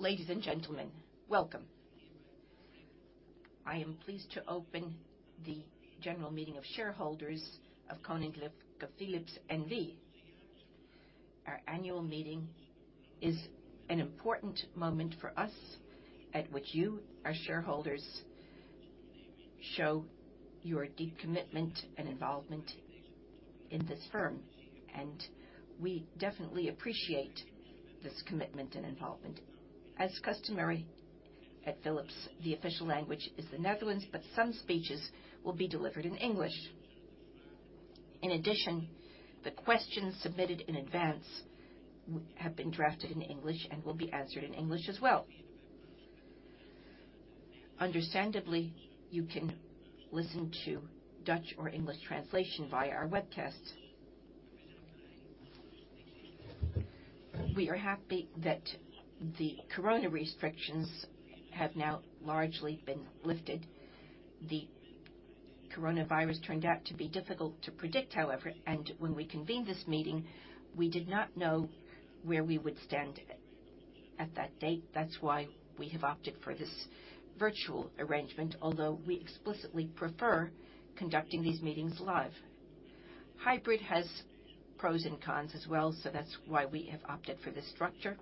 Ladies and gentlemen, welcome. I am pleased to open the general meeting of shareholders of Koninklijke Philips N.V. Our annual meeting is an important moment for us at which you, our shareholders, show your deep commitment and involvement in this firm, and we definitely appreciate this commitment and involvement. As customary at Philips, the official language is Dutch, but some speeches will be delivered in English. In addition, the questions submitted in advance have been drafted in English and will be answered in English as well. Understandably, you can listen to Dutch or English translation via our webcasts. We are happy that the corona restrictions have now largely been lifted. The coronavirus turned out to be difficult to predict, however, and when we convened this meeting, we did not know where we would stand at that date. That's why we have opted for this virtual arrangement, although we explicitly prefer conducting these meetings live. Hybrid has pros and cons as well, so that's why we have opted for this structure.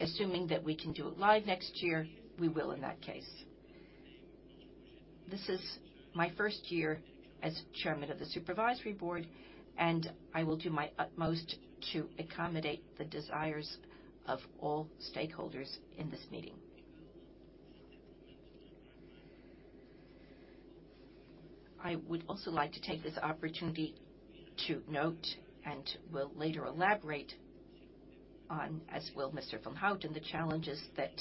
Assuming that we can do it live next year, we will in that case. This is my first year as chairman of the Supervisory Board, and I will do my utmost to accommodate the desires of all stakeholders in this meeting. I would also like to take this opportunity to note and will later elaborate on, as will Mr. Van Houten, the challenges that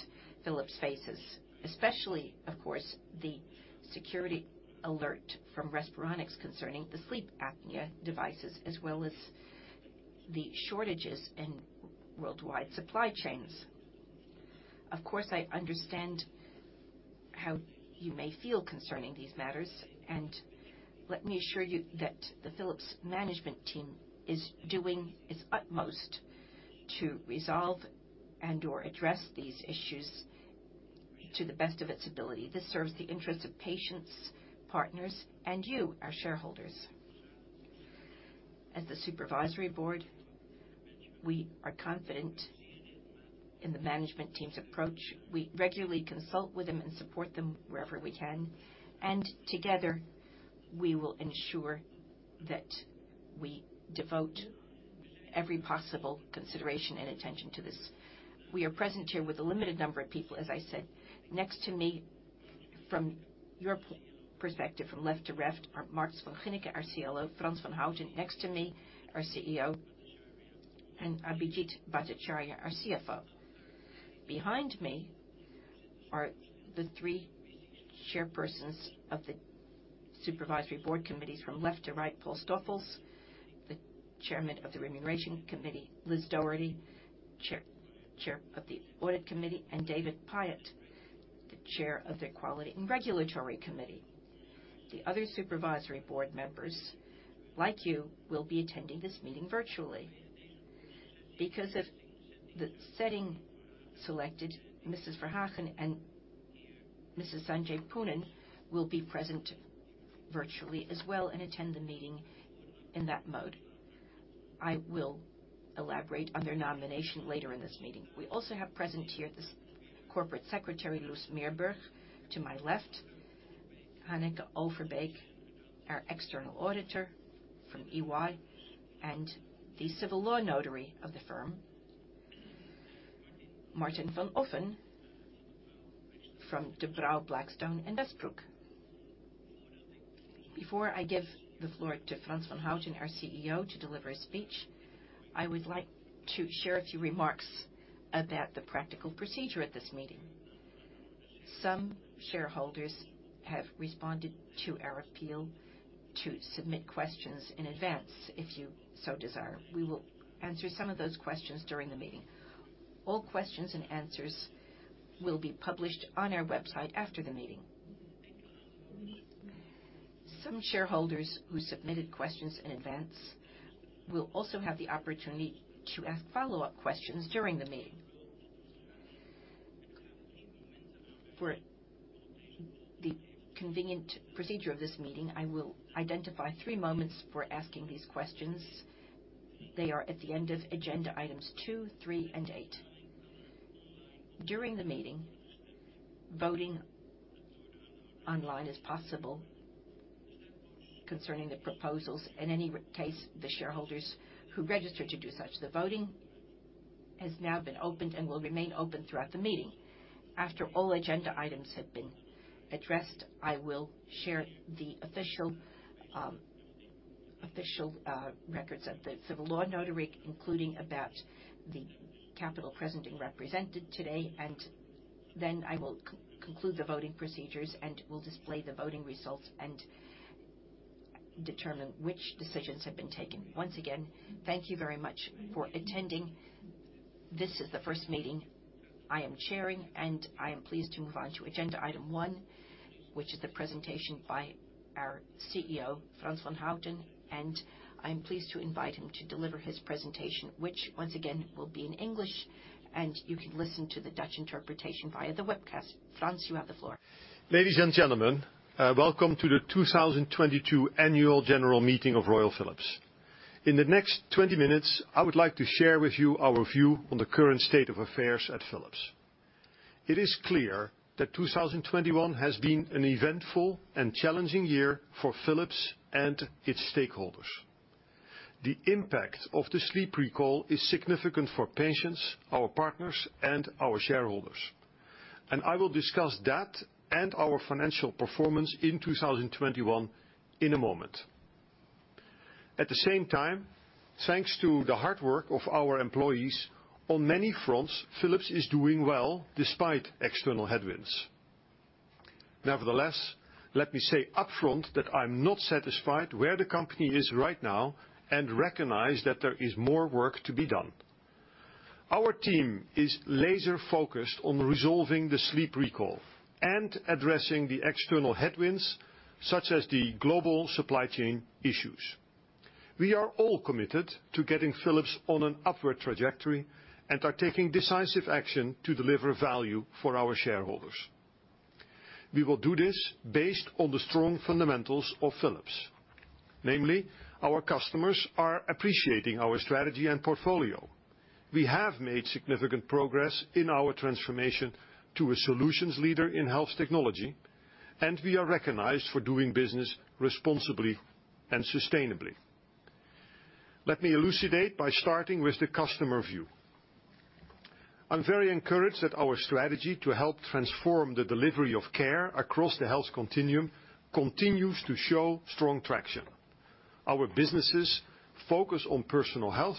Philips faces, especially, of course, the security alert from Respironics concerning the sleep apnea devices, as well as the shortages in worldwide supply chains. Of course, I understand how you may feel concerning these matters, and let me assure you that the Philips management team is doing its utmost to resolve and/or address these issues to the best of its ability. This serves the interests of patients, partners, and you, our shareholders. As the Supervisory Board, we are confident in the management team's approach. We regularly consult with them and support them wherever we can, and together, we will ensure that we devote every possible consideration and attention to this. We are present here with a limited number of people, as I said. Next to me, from your perspective, from left to left, are Marnix van Ginneken, our COO, Frans van Houten, next to me, our CEO, and Abhijit Bhattacharya, our CFO. Behind me are the three chairpersons of the Supervisory Board committees from left to right, Paul Stoffels, the chairman of the Remuneration Committee, Liz Doherty, chair of the Audit Committee, and David Pyott, the chair of the Quality and Regulatory Committee. The other Supervisory Board members, like you, will be attending this meeting virtually. Because of the setting selected, Mrs. Verhagen and Mrs. Sanjay Poonen will be present virtually as well and attend the meeting in that mode. I will elaborate on their nomination later in this meeting. We also have present here the corporate secretary, Loes Meerburg, to my left, Hanneke Overbeek, our external auditor from EY, and the civil law notary of the firm, Martin van Olffen from De Brauw Blackstone Westbroek. Before I give the floor to Frans van Houten, our CEO, to deliver his speech, I would like to share a few remarks about the practical procedure at this meeting. Some shareholders have responded to our appeal to submit questions in advance if you so desire. We will answer some of those questions during the meeting. All questions and answers will be published on our website after the meeting. Some shareholders who submitted questions in advance will also have the opportunity to ask follow-up questions during the meeting. For the convenient procedure of this meeting, I will identify three moments for asking these questions. They are at the end of agenda items two, three, and eight. During the meeting, voting online is possible concerning the proposals. In any case, the shareholders who registered to do such, the voting has now been opened and will remain open throughout the meeting. After all agenda items have been addressed, I will share the official records of the civil law notary, including about the capital present and represented today, and then I will conclude the voting procedures and will display the voting results and determine which decisions have been taken. Once again, thank you very much for attending. This is the first meeting I am chairing, and I am pleased to move on to agenda item one, which is the presentation by our CEO, Frans van Houten. I'm pleased to invite him to deliver his presentation, which once again will be in English, and you can listen to the Dutch interpretation via the webcast. Frans, you have the floor. Ladies and gentlemen, welcome to the 2022 annual general meeting of Royal Philips. In the next 20 minutes, I would like to share with you our view on the current state of affairs at Philips. It is clear that 2021 has been an eventful and challenging year for Philips and its stakeholders. The impact of the sleep recall is significant for patients, our partners, and our shareholders, and I will discuss that and our financial performance in 2021 in a moment. At the same time, thanks to the hard work of our employees, on many fronts, Philips is doing well despite external headwinds. Nevertheless, let me say upfront that I'm not satisfied where the company is right now and recognize that there is more work to be done. Our team is laser-focused on resolving the sleep recall and addressing the external headwinds, such as the global supply chain issues. We are all committed to getting Philips on an upward trajectory and are taking decisive action to deliver value for our shareholders. We will do this based on the strong fundamentals of Philips. Namely, our customers are appreciating our strategy and portfolio. We have made significant progress in our transformation to a solutions leader in health technology, and we are recognized for doing business responsibly and sustainably. Let me elucidate by starting with the customer view. I'm very encouraged that our strategy to help transform the delivery of care across the health continuum continues to show strong traction. Our businesses focus on Personal Health,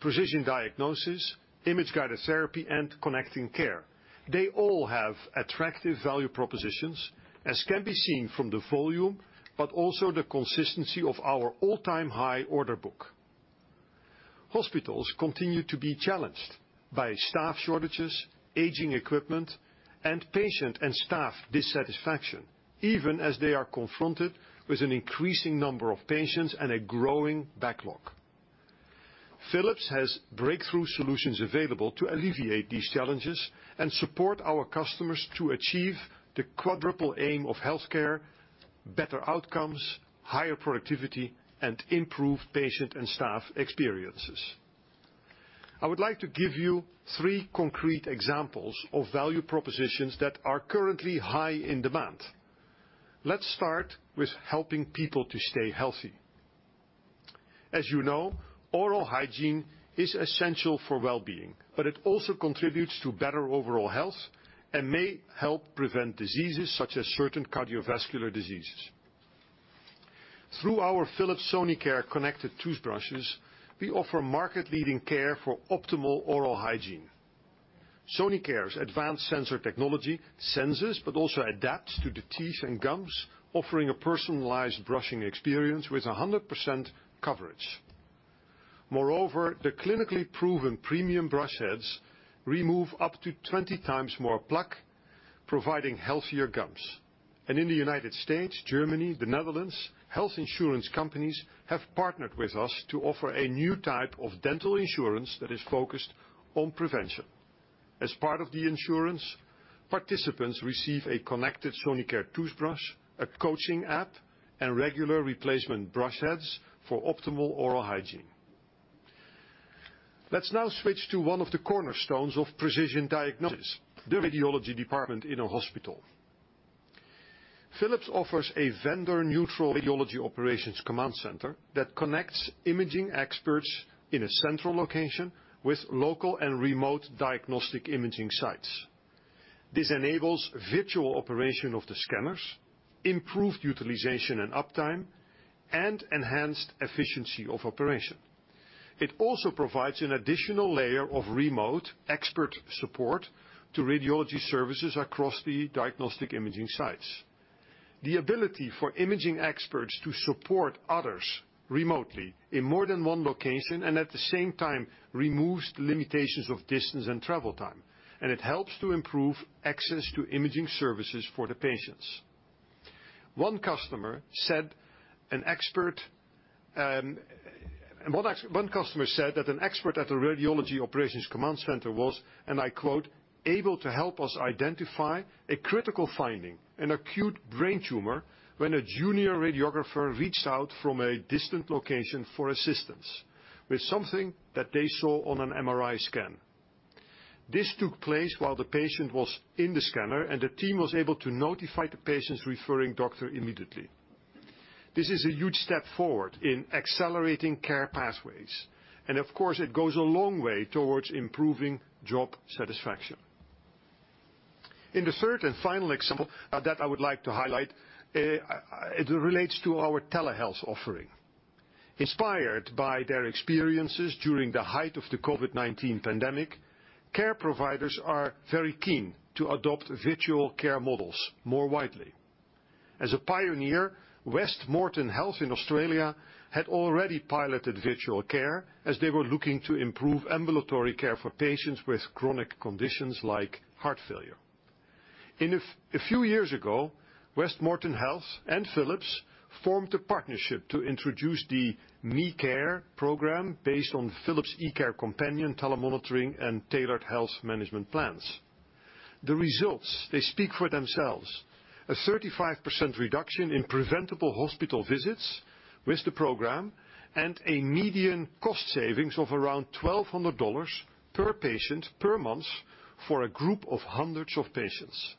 Precision Diagnosis, Image-Guided Therapy, and Connected Care. They all have attractive value propositions, as can be seen from the volume, but also the consistency of our all-time high order book. Hospitals continue to be challenged by staff shortages, aging equipment, and patient and staff dissatisfaction, even as they are confronted with an increasing number of patients and a growing backlog. Philips has breakthrough solutions available to alleviate these challenges and support our customers to achieve the quadruple aim of healthcare, better outcomes, higher productivity, and improved patient and staff experiences. I would like to give you three concrete examples of value propositions that are currently high in demand. Let's start with helping people to stay healthy. As you know, oral hygiene is essential for well-being, but it also contributes to better overall health and may help prevent diseases such as certain cardiovascular diseases. Through our Philips Sonicare connected toothbrushes, we offer market-leading care for optimal oral hygiene. Sonicare's advanced sensor technology senses but also adapts to the teeth and gums, offering a personalized brushing experience with 100% coverage. Moreover, the clinically proven premium brush heads remove up to 20 times more plaque, providing healthier gums. In the United States, Germany, the Netherlands, health insurance companies have partnered with us to offer a new type of dental insurance that is focused on prevention. As part of the insurance, participants receive a connected Sonicare toothbrush, a coaching app, and regular replacement brush heads for optimal oral hygiene. Let's now switch to one of the cornerstones of Precision Diagnosis, the radiology department in a hospital. Philips offers a vendor-neutral radiology operations command center that connects imaging experts in a central location with local and remote diagnostic imaging sites. This enables virtual operation of the scanners, improved utilization and uptime, and enhanced efficiency of operation. It also provides an additional layer of remote expert support to radiology services across the diagnostic imaging sites. The ability for imaging experts to support others remotely in more than one location and at the same time removes the limitations of distance and travel time, and it helps to improve access to imaging services for the patients. One customer said that an expert at a radiology operations command center was, and I quote, "able to help us identify a critical finding, an acute brain tumor, when a junior radiographer reached out from a distant location for assistance with something that they saw on an MRI scan." This took place while the patient was in the scanner, and the team was able to notify the patient's referring doctor immediately. This is a huge step forward in accelerating care pathways, and of course, it goes a long way towards improving job satisfaction. In the third and final example, that I would like to highlight, it relates to our telehealth offering. Inspired by their experiences during the height of the COVID-19 pandemic, care providers are very keen to adopt virtual care models more widely. As a pioneer, West Moreton Health in Australia had already piloted virtual care as they were looking to improve ambulatory care for patients with chronic conditions like heart failure. A few years ago, West Moreton Health and Philips formed a partnership to introduce the MeCare program based on Philips eCareCompanion telemonitoring and tailored health management plans. The results, they speak for themselves. A 35% reduction in preventable hospital visits with the program and a median cost savings of around $1,200 per patient per month for a group of hundreds of patients.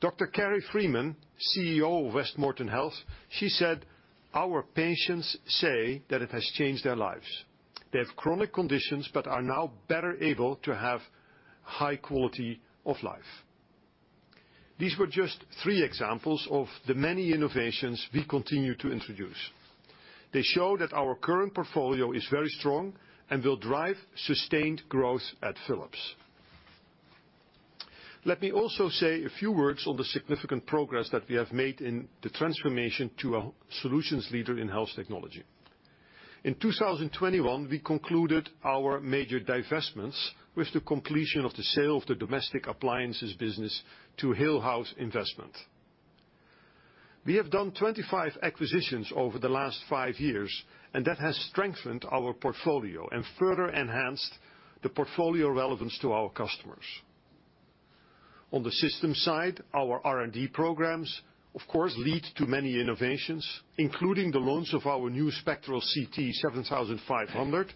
Dr. Kerrie Freeman, CEO of West Moreton Health, she said, "Our patients say that it has changed their lives. They have chronic conditions, but are now better able to have high quality of life." These were just three examples of the many innovations we continue to introduce. They show that our current portfolio is very strong and will drive sustained growth at Philips. Let me also say a few words on the significant progress that we have made in the transformation to a solutions leader in health technology. In 2021, we concluded our major divestments with the completion of the sale of the domestic appliances business to Hillhouse Investment. We have done 25 acquisitions over the last five years, and that has strengthened our portfolio and further enhanced the portfolio relevance to our customers. On the systems side, our R&D programs, of course, lead to many innovations, including the launch of our new Spectral CT 7500,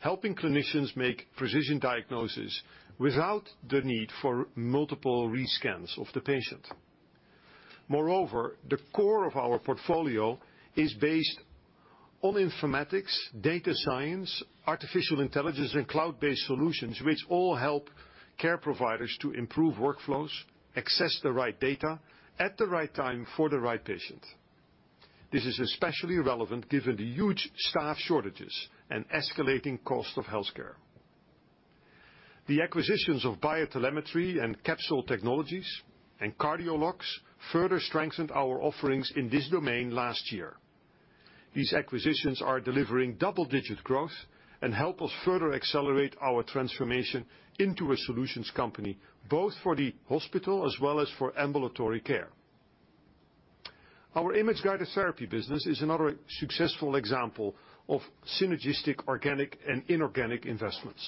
helping clinicians make precision diagnoses without the need for multiple re-scans of the patient. Moreover, the core of our portfolio is based on informatics, data science, artificial intelligence, and cloud-based solutions which all help care providers to improve workflows, access the right data at the right time for the right patient. This is especially relevant given the huge staff shortages and escalating cost of healthcare. The acquisitions of BioTelemetry and Capsule Technologies and Cardiologs further strengthened our offerings in this domain last year. These acquisitions are delivering double-digit growth and help us further accelerate our transformation into a solutions company, both for the hospital as well as for ambulatory care. Our Image-Guided Therapy business is another successful example of synergistic organic and inorganic investments.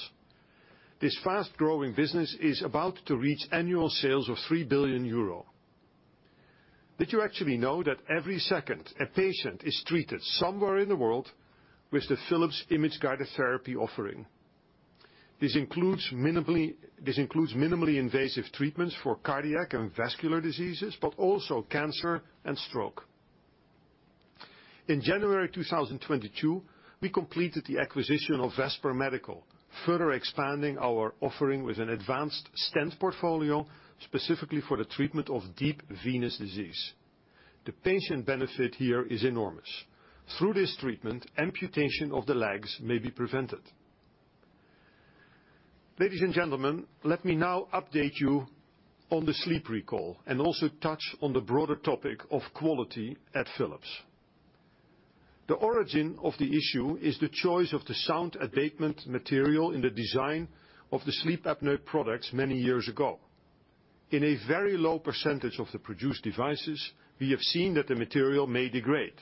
This fast-growing business is about to reach annual sales of 3 billion euro. Did you actually know that every second a patient is treated somewhere in the world with the Philips Image-Guided Therapy offering? This includes minimally invasive treatments for cardiac and vascular diseases, but also cancer and stroke. In January 2022, we completed the acquisition of Vesper Medical, further expanding our offering with an advanced stent portfolio specifically for the treatment of deep venous disease. The patient benefit here is enormous. Through this treatment, amputation of the legs may be prevented. Ladies and gentlemen, let me now update you on the sleep recall and also touch on the broader topic of quality at Philips. The origin of the issue is the choice of the sound abatement material in the design of the sleep apnea products many years ago. In a very low percentage of the produced devices, we have seen that the material may degrade.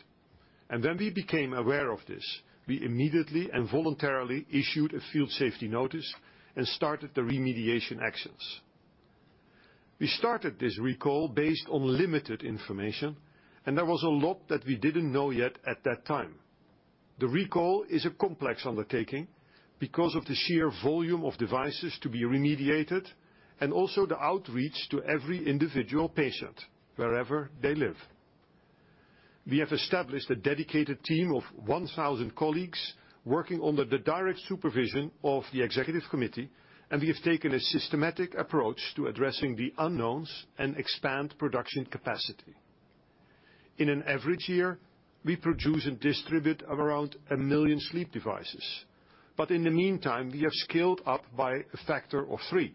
When we became aware of this, we immediately and voluntarily issued a field safety notice and started the remediation actions. We started this recall based on limited information, and there was a lot that we didn't know yet at that time. The recall is a complex undertaking because of the sheer volume of devices to be remediated, and also the outreach to every individual patient, wherever they live. We have established a dedicated team of 1,000 colleagues working under the direct supervision of the executive committee, and we have taken a systematic approach to addressing the unknowns and expand production capacity. In an average year, we produce and distribute around 1 million sleep devices, but in the meantime, we have scaled up by a factor of 3.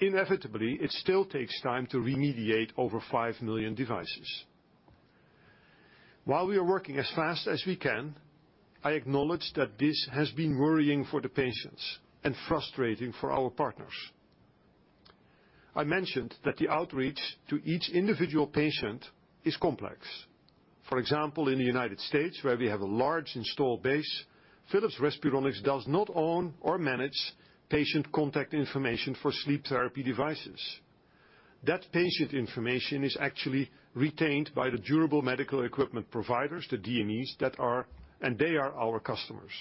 Inevitably, it still takes time to remediate over 5 million devices. While we are working as fast as we can, I acknowledge that this has been worrying for the patients and frustrating for our partners. I mentioned that the outreach to each individual patient is complex. For example, in the United States, where we have a large installed base, Philips Respironics does not own or manage patient contact information for sleep therapy devices. That patient information is actually retained by the durable medical equipment providers, the DMEs, that are. They are our customers.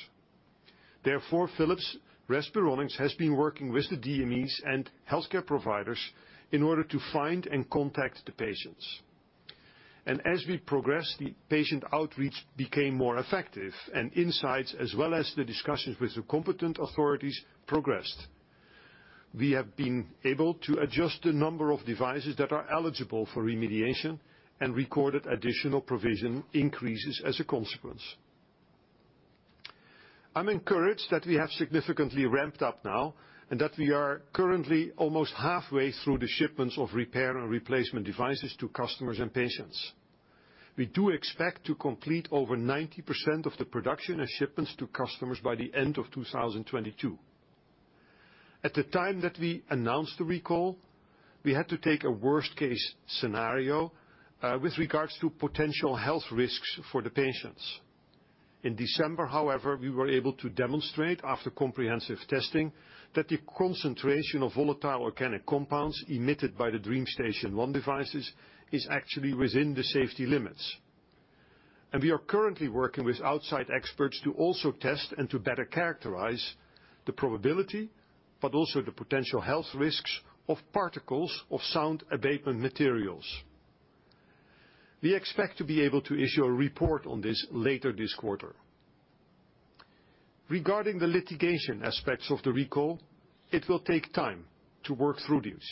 Therefore, Philips Respironics has been working with the DMEs and healthcare providers in order to find and contact the patients. As we progressed, the patient outreach became more effective, and insights as well as the discussions with the competent authorities progressed. We have been able to adjust the number of devices that are eligible for remediation and recorded additional provision increases as a consequence. I'm encouraged that we have significantly ramped up now, and that we are currently almost halfway through the shipments of repair and replacement devices to customers and patients. We do expect to complete over 90% of the production and shipments to customers by the end of 2022. At the time that we announced the recall, we had to take a worst case scenario, with regards to potential health risks for the patients. In December, however, we were able to demonstrate, after comprehensive testing, that the concentration of volatile organic compounds emitted by the DreamStation 1 devices is actually within the safety limits. We are currently working with outside experts to also test and to better characterize the probability, but also the potential health risks of particles of sound abatement materials. We expect to be able to issue a report on this later this quarter. Regarding the litigation aspects of the recall, it will take time to work through these.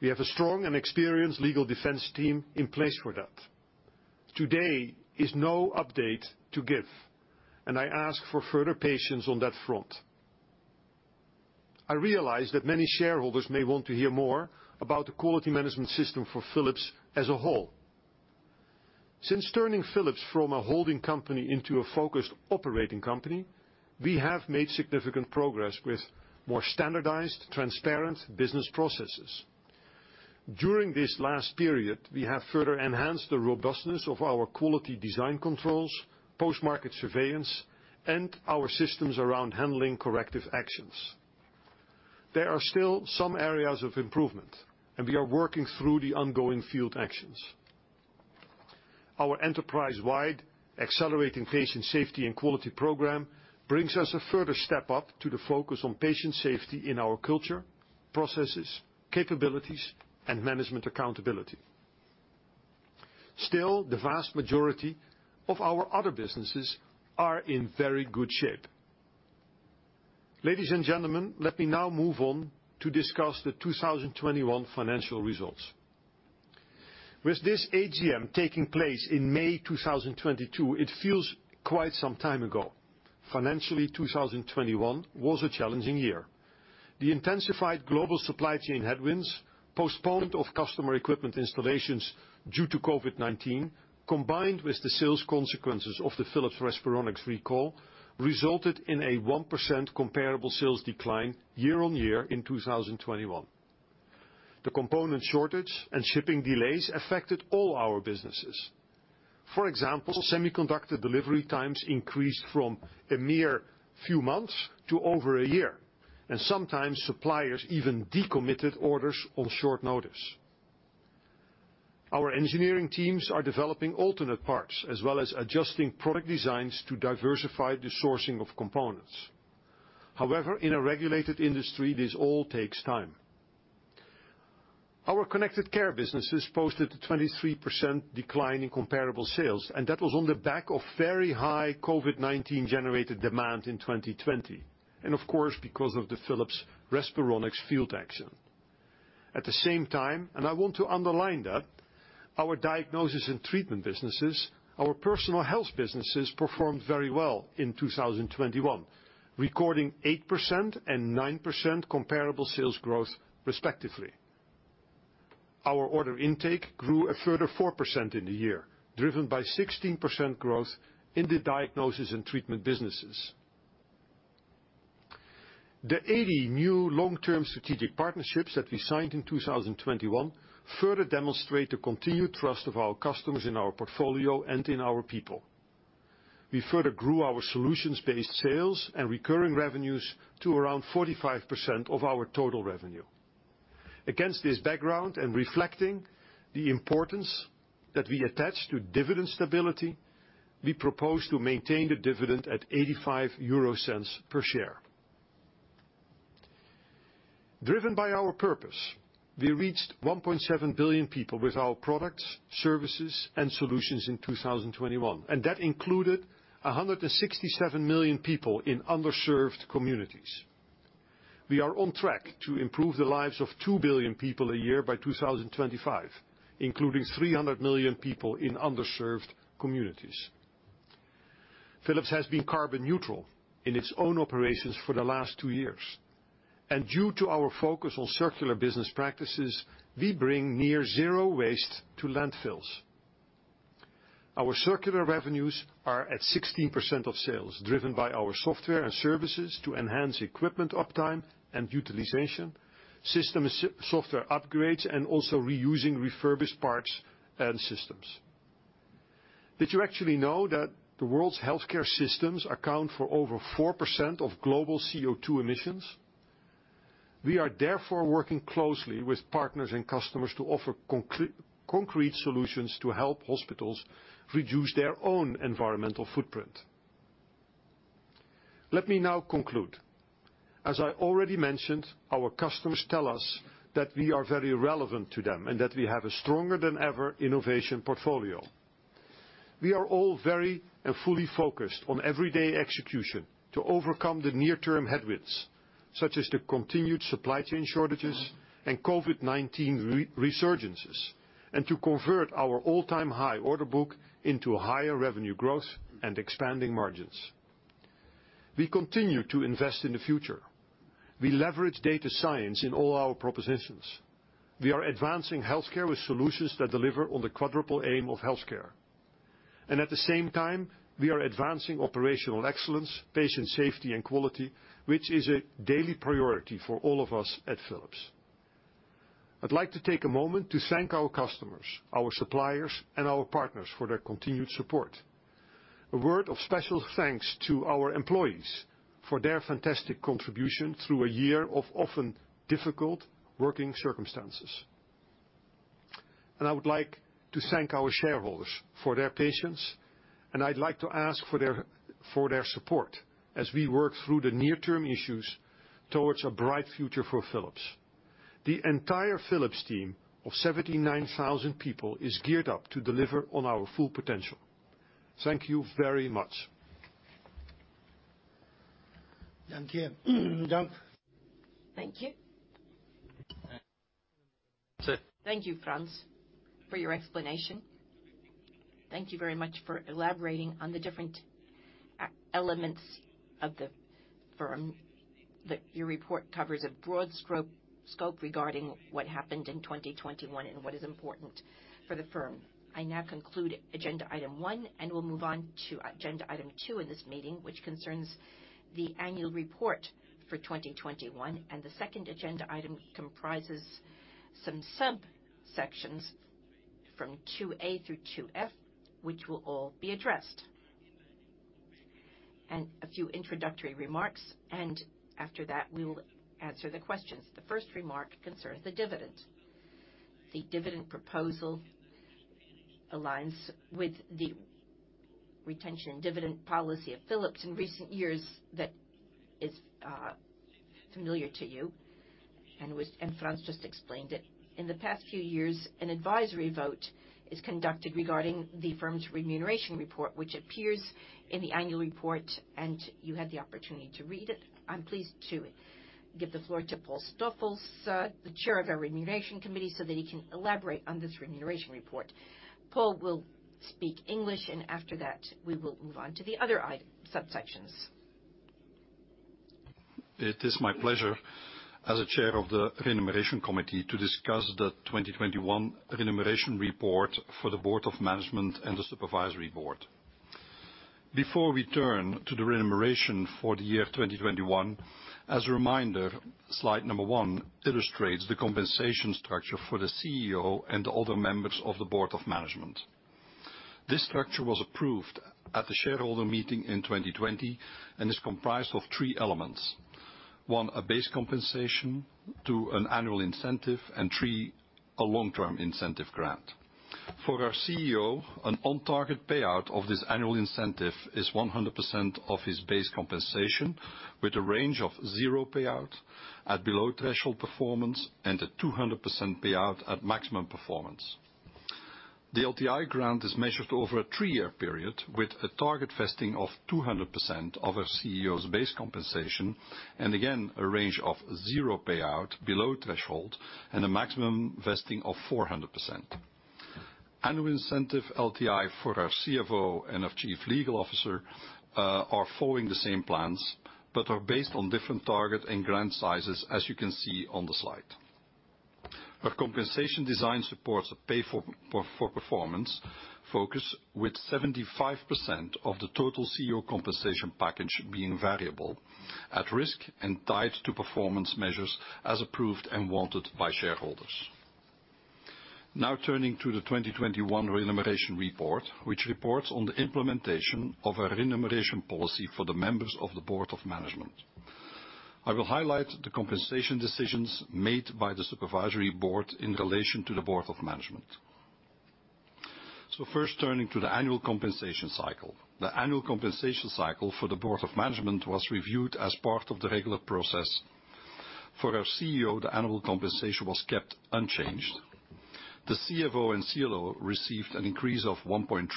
We have a strong and experienced legal defense team in place for that. Today is no update to give, and I ask for further patience on that front. I realize that many shareholders may want to hear more about the quality management system for Philips as a whole. Since turning Philips from a holding company into a focused operating company, we have made significant progress with more standardized, transparent business processes. During this last period, we have further enhanced the robustness of our quality design controls, post-market surveillance, and our systems around handling corrective actions. There are still some areas of improvement, and we are working through the ongoing field actions. Our enterprise-wide accelerating patient safety and quality program brings us a further step up to the focus on patient safety in our culture, processes, capabilities, and management accountability. Still, the vast majority of our other businesses are in very good shape. Ladies and gentlemen, let me now move on to discuss the 2021 financial results. With this AGM taking place in May 2022, it feels quite some time ago. Financially, 2021 was a challenging year. The intensified global supply chain headwinds, postponement of customer equipment installations due to COVID-19, combined with the sales consequences of the Philips Respironics recall, resulted in a 1% comparable sales decline year-on-year in 2021. The component shortage and shipping delays affected all our businesses. For example, semiconductor delivery times increased from a mere few months to over a year, and sometimes suppliers even decommitted orders on short notice. Our engineering teams are developing alternate parts, as well as adjusting product designs to diversify the sourcing of components. However, in a regulated industry, this all takes time. Our Connected Care businesses posted a 23% decline in comparable sales, and that was on the back of very high COVID-19-generated demand in 2020. Of course, because of the Philips Respironics field action. At the same time, and I want to underline that, our Diagnosis & Treatment businesses, our Personal Health businesses, performed very well in 2021, recording 8% and 9% comparable sales growth respectively. Our order intake grew a further 4% in the year, driven by 16% growth in the Diagnosis & Treatment businesses. The 80 new long-term strategic partnerships that we signed in 2021 further demonstrate the continued trust of our customers in our portfolio and in our people. We further grew our solutions-based sales and recurring revenues to around 45% of our total revenue. Against this background and reflecting the importance that we attach to dividend stability, we propose to maintain the dividend at 0.85 per share. Driven by our purpose, we reached 1.7 billion people with our products, services, and solutions in 2021, and that included 167 million people in underserved communities. We are on track to improve the lives of 2 billion people a year by 2025, including 300 million people in underserved communities. Philips has been carbon neutral in its own operations for the last two years. Due to our focus on circular business practices, we bring near zero waste to landfills. Our circular revenues are at 16% of sales, driven by our software and services to enhance equipment uptime and utilization, software upgrades, and also reusing refurbished parts and systems. Did you actually know that the world's healthcare systems account for over 4% of global CO2 emissions? We are therefore working closely with partners and customers to offer concrete solutions to help hospitals reduce their own environmental footprint. Let me now conclude. As I already mentioned, our customers tell us that we are very relevant to them, and that we have a stronger than ever innovation portfolio. We are all very and fully focused on everyday execution to overcome the near-term headwinds such as the continued supply chain shortages and COVID-19 resurgences, and to convert our all-time high order book into higher revenue growth and expanding margins. We continue to invest in the future. We leverage data science in all our propositions. We are advancing healthcare with solutions that deliver on the quadruple aim of healthcare. We are advancing operational excellence, patient safety and quality, which is a daily priority for all of us at Philips. I'd like to take a moment to thank our customers, our suppliers and our partners for their continued support. A word of special thanks to our employees for their fantastic contribution through a year of often difficult working circumstances. I would like to thank our shareholders for their patience, and I'd like to ask for their support as we work through the near-term issues towards a bright future for Philips. The entire Philips team of 79,000 people is geared up to deliver on our full potential. Thank you very much. Thank you. Thank you. Sir. Thank you, Frans, for your explanation. Thank you very much for elaborating on the different elements of the firm that your report covers a broad scope regarding what happened in 2021 and what is important for the firm. I now conclude agenda item one, and we'll move on to agenda item two in this meeting, which concerns the annual report for 2021. The second agenda item comprises some subsections from two A through two F, which will all be addressed. A few introductory remarks, and after that, we will answer the questions. The first remark concerns the dividend. The dividend proposal aligns with the retention and dividend policy of Philips in recent years that is familiar to you and Frans just explained it. In the past few years, an advisory vote is conducted regarding the firm's remuneration report, which appears in the annual report, and you had the opportunity to read it. I'm pleased to give the floor to Paul Stoffels, the Chair of our Remuneration Committee, so that he can elaborate on this remuneration report. Paul will speak English, and after that, we will move on to the other items, subsections. It is my pleasure as the Chair of the Remuneration Committee to discuss the 2021 remuneration report for the Board of Management and the Supervisory Board. Before we turn to the remuneration for the year 2021, as a reminder, slide number one illustrates the compensation structure for the CEO and other members of the Board of Management. This structure was approved at the shareholder meeting in 2020 and is comprised of three elements. One, a base compensation. Two, an annual incentive. And three, a long-term incentive grant. For our CEO, an on-target payout of this annual incentive is 100% of his base compensation, with a range of zero payout at below-threshold performance and a 200% payout at maximum performance. The LTI grant is measured over a three-year period, with a target vesting of 200% of a CEO's base compensation, and again, a range of zero payout below threshold and a maximum vesting of 400%. Annual incentive LTI for our CFO and our Chief Legal Officer are following the same plans but are based on different target and grant sizes, as you can see on the slide. Our compensation design supports a pay for performance focus, with 75% of the total CEO compensation package being variable, at risk and tied to performance measures as approved and wanted by shareholders. Now turning to the 2021 remuneration report, which reports on the implementation of a remuneration policy for the members of the Board of Management. I will highlight the compensation decisions made by the Supervisory Board in relation to the Board of Management. First turning to the annual compensation cycle. The annual compensation cycle for the Board of Management was reviewed as part of the regular process. For our CEO, the annual compensation was kept unchanged. The CFO and CLO received an increase of 1.3%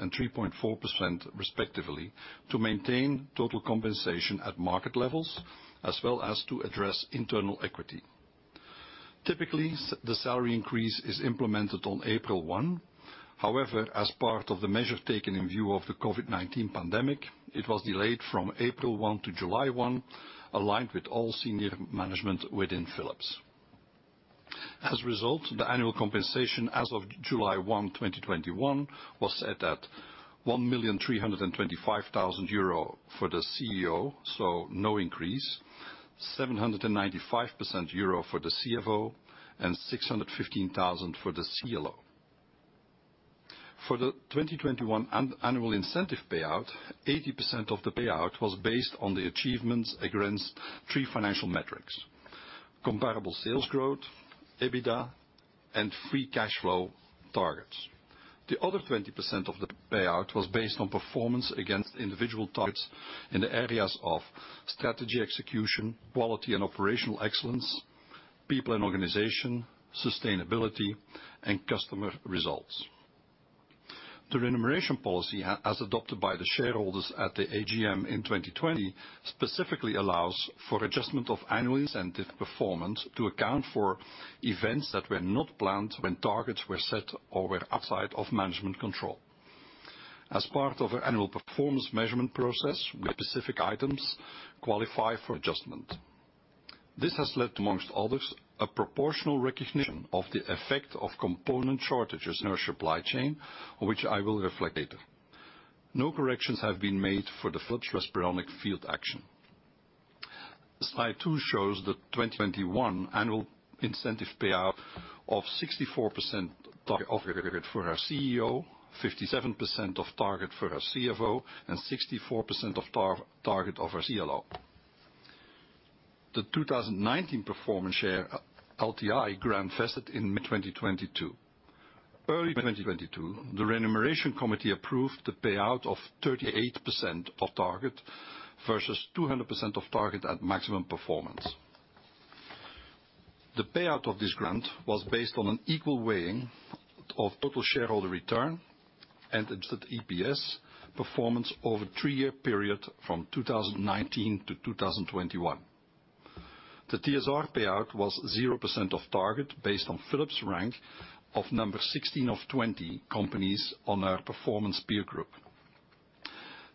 and 3.4%, respectively, to maintain total compensation at market levels, as well as to address internal equity. Typically, the salary increase is implemented on April 1. However, as part of the measure taken in view of the COVID-19 pandemic, it was delayed from April 1 to July 1, aligned with all senior management within Philips. As a result, the annual compensation as of July 1, 2021 was set at 1,325,000 euro for the CEO, so no increase. 795,000 euro for the CFO and 615,000 for the CLO. For the 2021 annual incentive payout, 80% of the payout was based on the achievements against three financial metrics: comparable sales growth, EBITDA and free cash flow targets. The other 20% of the payout was based on performance against individual targets in the areas of strategy execution, quality and operational excellence, people and organization, sustainability and customer results. The remuneration policy, as adopted by the shareholders at the AGM in 2020, specifically allows for adjustment of annual incentive performance to account for events that were not planned when targets were set or were outside of management control. As part of our annual performance measurement process, where specific items qualify for adjustment. This has led, amongst others, a proportional recognition of the effect of component shortages in our supply chain, which I will reflect later. No corrections have been made for the Philips Respironics field action. Slide two shows the 2021 annual incentive payout of 64% of target for our CEO, 57% of target for our CFO, and 64% of target for our CLO. The 2019 performance share LTI grant vested in mid-2022. Early 2022, the remuneration committee approved the payout of 38% of target versus 200% of target at maximum performance. The payout of this grant was based on an equal weighting of total shareholder return and EPS performance over a three-year period from 2019 to 2021. The TSR payout was 0% of target based on Philips rank of number 16 of 20 companies on our performance peer group.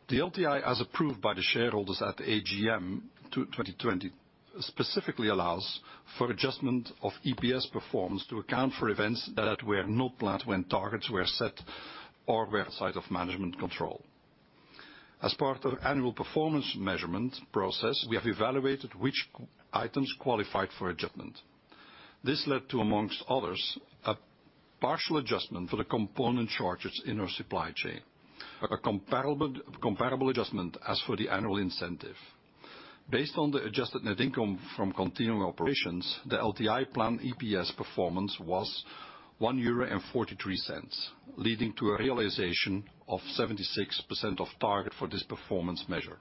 The LTI, as approved by the shareholders at the AGM 2020, specifically allows for adjustment of EPS performance to account for events that were not planned when targets were set or were outside of management control. As part of annual performance measurement process, we have evaluated which items qualified for adjustment. This led to, amongst others, a partial adjustment for the component shortages in our supply chain. A comparable adjustment as for the annual incentive. Based on the adjusted net income from continuing operations, the LTI plan EPS performance was 1.43 euro, leading to a realization of 76% of target for this performance measure.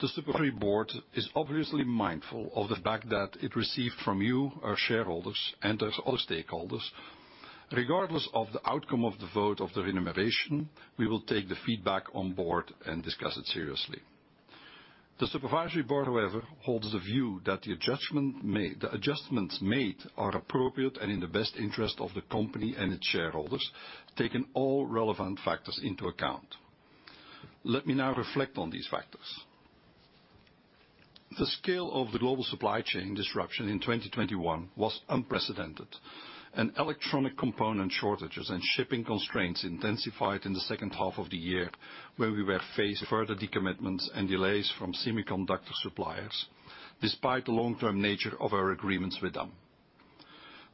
The Supervisory Board is obviously mindful of the fact that it received from you, our shareholders and as other stakeholders. Regardless of the outcome of the vote of the remuneration, we will take the feedback on board and discuss it seriously. The Supervisory Board, however, holds the view that the adjustment made, the adjustments made are appropriate and in the best interest of the company and its shareholders, taking all relevant factors into account. Let me now reflect on these factors. The scale of the global supply chain disruption in 2021 was unprecedented, and electronic component shortages and shipping constraints intensified in the second half of the year when we were faced with further decommitments and delays from semiconductor suppliers, despite the long-term nature of our agreements with them.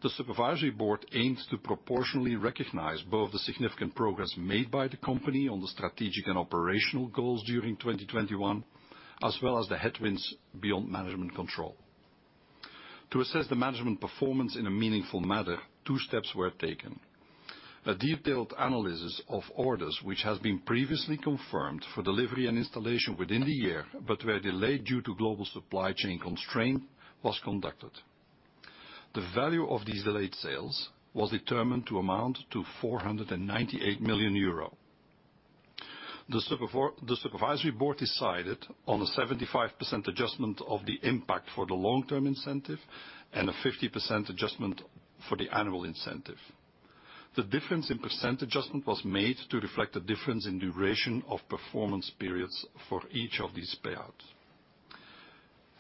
The Supervisory Board aims to proportionally recognize both the significant progress made by the company on the strategic and operational goals during 2021, as well as the headwinds beyond management control. To assess the management performance in a meaningful manner, two steps were taken. A detailed analysis of orders, which has been previously confirmed for delivery and installation within the year but were delayed due to global supply chain constraint, was conducted. The value of these delayed sales was determined to amount to 498 million euro. The Supervisory Board decided on a 75% adjustment of the impact for the long-term incentive and a 50% adjustment for the annual incentive. The difference in percent adjustment was made to reflect the difference in duration of performance periods for each of these payouts.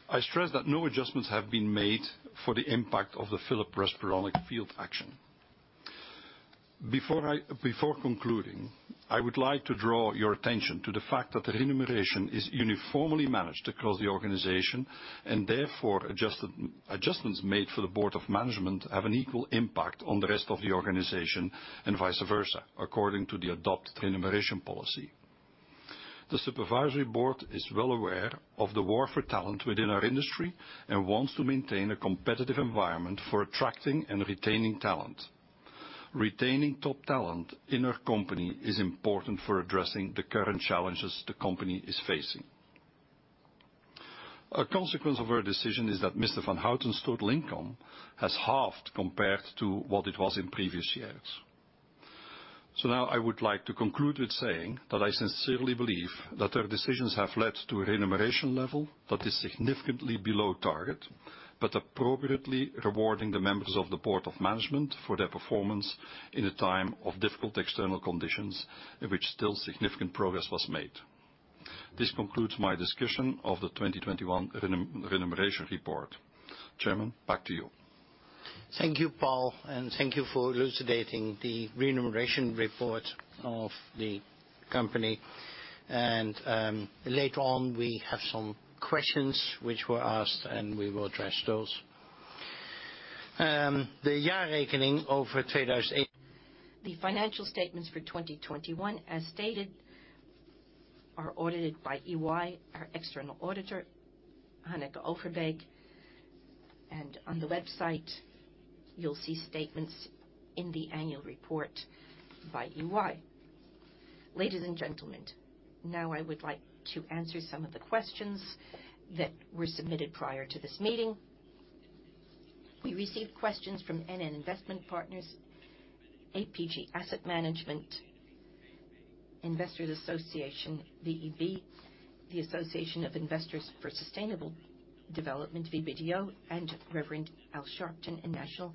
I stress that no adjustments have been made for the impact of the Philips Respironics field action. Before concluding, I would like to draw your attention to the fact that the remuneration is uniformly managed across the organization and therefore adjusted, adjustments made for the Board of Management have an equal impact on the rest of the organization and vice versa, according to the adopted remuneration policy. The Supervisory Board is well aware of the war for talent within our industry and wants to maintain a competitive environment for attracting and retaining talent. Retaining top talent in our company is important for addressing the current challenges the company is facing. A consequence of our decision is that Mr. van Houten's total income has halved compared to what it was in previous years. Now I would like to conclude with saying that I sincerely believe that our decisions have led to a remuneration level that is significantly below target, but appropriately rewarding the members of the Board of Management for their performance in a time of difficult external conditions, in which still significant progress was made. This concludes my discussion of the 2021 remuneration report. Chairman, back to you. Thank you, Paul, and thank you for elucidating the remuneration report of the company. Later on, we have some questions which were asked, and we will address those. The year The financial statements for 2021, as stated, are audited by EY, our external auditor, Hanneke Overbeek, and on the website, you'll see statements in the annual report by EY. Ladies and gentlemen, now I would like to answer some of the questions that were submitted prior to this meeting. We received questions from NN Investment Partners, APG Asset Management, VEB, the Association of Investors for Sustainable Development, VBDO, and Reverend Al Sharpton and National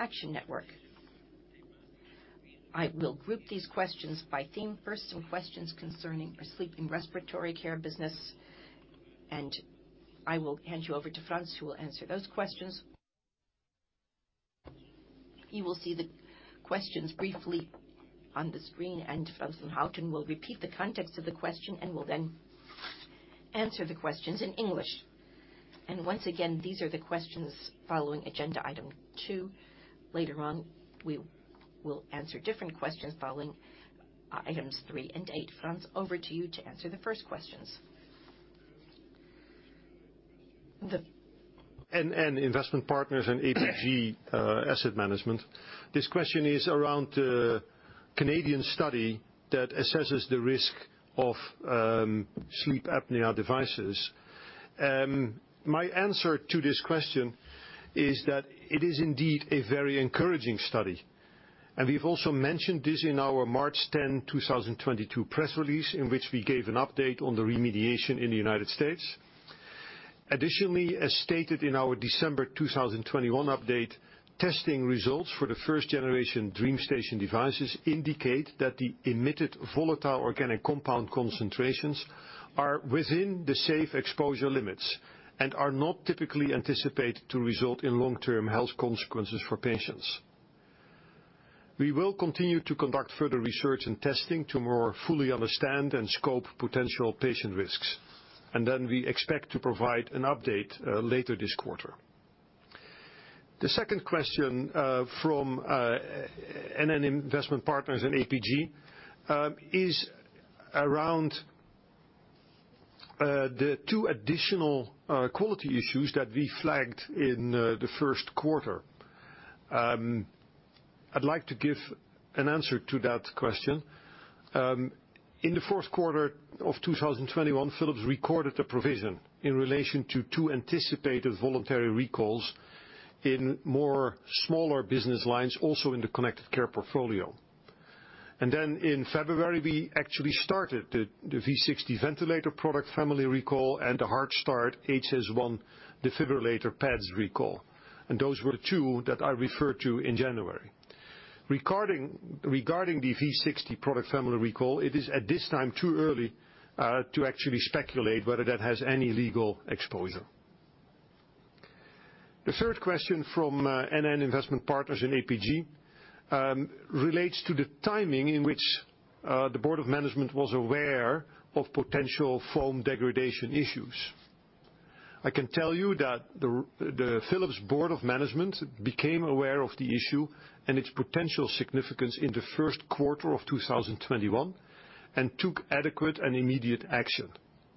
Action Network. I will group these questions by theme. First, some questions concerning our sleep and respiratory care business, and I will hand you over to Frans, who will answer those questions. You will see the questions briefly on the screen, and Frans van Houten will repeat the context of the question and will then answer the questions in English. Once again, these are the questions following agenda item two. Later on, we will answer different questions following items three and eight. Frans, over to you to answer the first questions. NN Investment Partners and APG Asset Management. This question is around a Canadian study that assesses the risk of sleep apnea devices. My answer to this question is that it is indeed a very encouraging study, and we've also mentioned this in our March 10, 2022 press release, in which we gave an update on the remediation in the United States. Additionally, as stated in our December 2021 update, testing results for the first generation DreamStation devices indicate that the emitted volatile organic compound concentrations are within the safe exposure limits and are not typically anticipated to result in long-term health consequences for patients. We will continue to conduct further research and testing to more fully understand and scope potential patient risks, and then we expect to provide an update later this quarter. The second question from NN Investment Partners and APG is around the two additional quality issues that we flagged in the first quarter. I'd like to give an answer to that question. In the first quarter of 2021, Philips recorded a provision in relation to two anticipated voluntary recalls in more smaller business lines, also in the connected care portfolio. In February, we actually started the V60 ventilator product family recall and the HeartStart HS1 defibrillator pads recall. Those were the two that I referred to in January. Regarding the V60 product family recall, it is at this time too early to actually speculate whether that has any legal exposure. The third question from NN Investment Partners and APG relates to the timing in which the Board of Management was aware of potential foam degradation issues. I can tell you that the Philips Board of Management became aware of the issue and its potential significance in the first quarter of 2021 and took adequate and immediate action.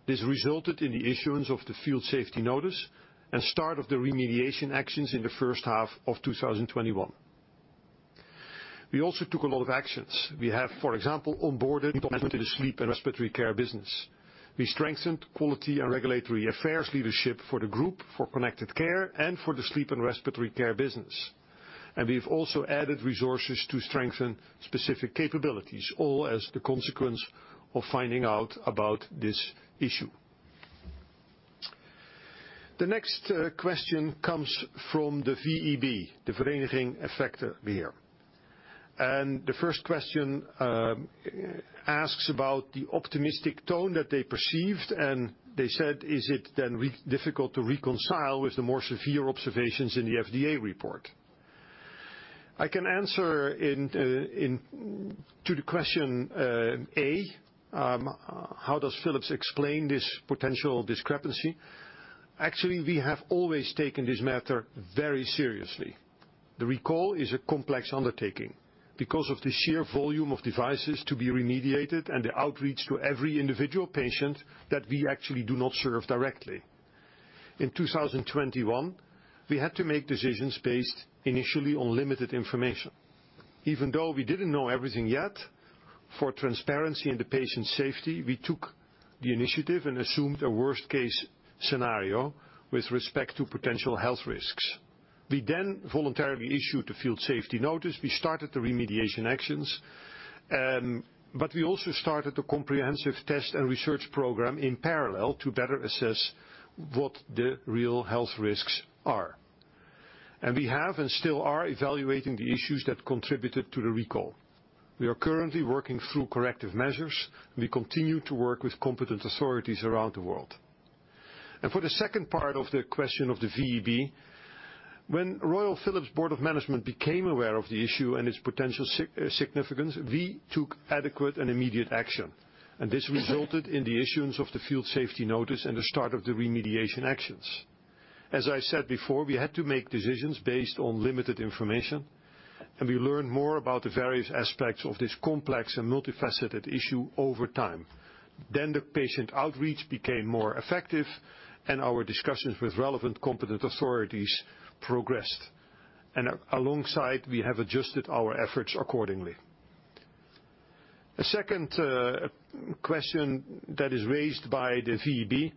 This resulted in the issuance of the field safety notice and start of the remediation actions in the first half of 2021. We also took a lot of actions. We have, for example, onboarded sleep and respiratory care business. We strengthened quality and regulatory affairs leadership for the group, for Connected Care and for the sleep and respiratory care business. We've also added resources to strengthen specific capabilities, all as the consequence of finding out about this issue. The next question comes from the VEB, the Vereniging van Effectenbezitters. The first question asks about the optimistic tone that they perceived, and they said, "Is it then really difficult to reconcile with the more severe observations in the FDA report?" I can answer to the question, how does Philips explain this potential discrepancy? Actually, we have always taken this matter very seriously. The recall is a complex undertaking because of the sheer volume of devices to be remediated and the outreach to every individual patient that we actually do not serve directly. In 2021, we had to make decisions based initially on limited information. Even though we didn't know everything yet, for transparency and the patient's safety, we took the initiative and assumed a worst case scenario with respect to potential health risks. We then voluntarily issued the field safety notice. We started the remediation actions, but we also started a comprehensive test and research program in parallel to better assess what the real health risks are. We have and still are evaluating the issues that contributed to the recall. We are currently working through corrective measures. We continue to work with competent authorities around the world. For the second part of the question of the VEB, when Royal Philips Board of Management became aware of the issue and its potential significance, we took adequate and immediate action, and this resulted in the issuance of the field safety notice and the start of the remediation actions. As I said before, we had to make decisions based on limited information, and we learned more about the various aspects of this complex and multifaceted issue over time. The patient outreach became more effective and our discussions with relevant competent authorities progressed. Alongside, we have adjusted our efforts accordingly. The second question that is raised by the VEB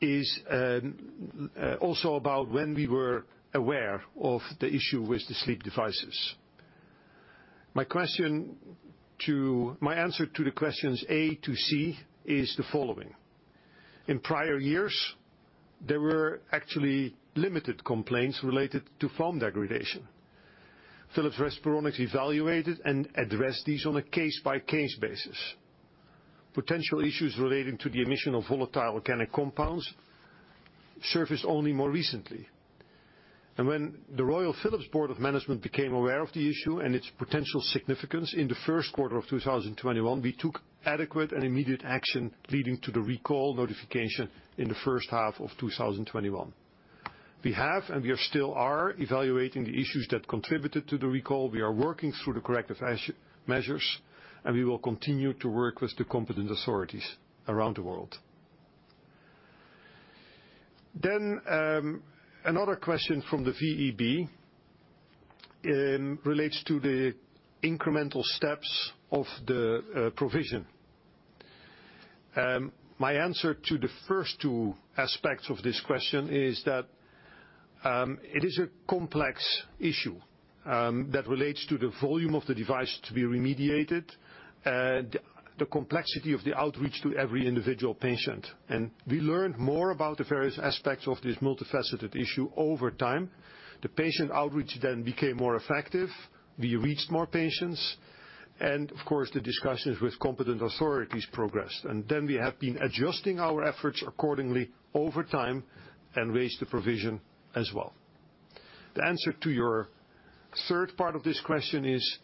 is also about when we were aware of the issue with the sleep devices. My answer to the questions A to C is the following. In prior years, there were actually limited complaints related to foam degradation. Philips Respironics evaluated and addressed these on a case-by-case basis. Potential issues relating to the emission of volatile organic compounds surfaced only more recently. When the Royal Philips Board of Management became aware of the issue and its potential significance in the first quarter of 2021, we took adequate and immediate action, leading to the recall notification in the first half of 2021. We have, and we still are, evaluating the issues that contributed to the recall. We are working through the corrective measures, and we will continue to work with the competent authorities around the world. Another question from the VEB relates to the incremental steps of the provision. My answer to the first two aspects of this question is that it is a complex issue that relates to the volume of the device to be remediated and the complexity of the outreach to every individual patient. We learned more about the various aspects of this multifaceted issue over time. The patient outreach then became more effective. We reached more patients, and of course, the discussions with competent authorities progressed. We have been adjusting our efforts accordingly over time and raised the provision as well. The answer to your third part of this question is,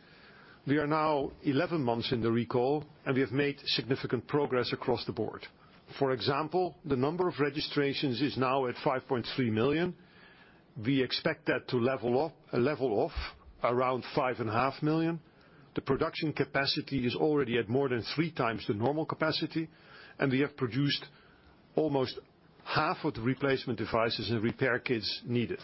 we are now 11 months in the recall, and we have made significant progress across the board. For example, the number of registrations is now at 5.3 million. We expect that to level off around 5.5 million. The production capacity is already at more than 3x the normal capacity, and we have produced almost half of the replacement devices and repair kits needed.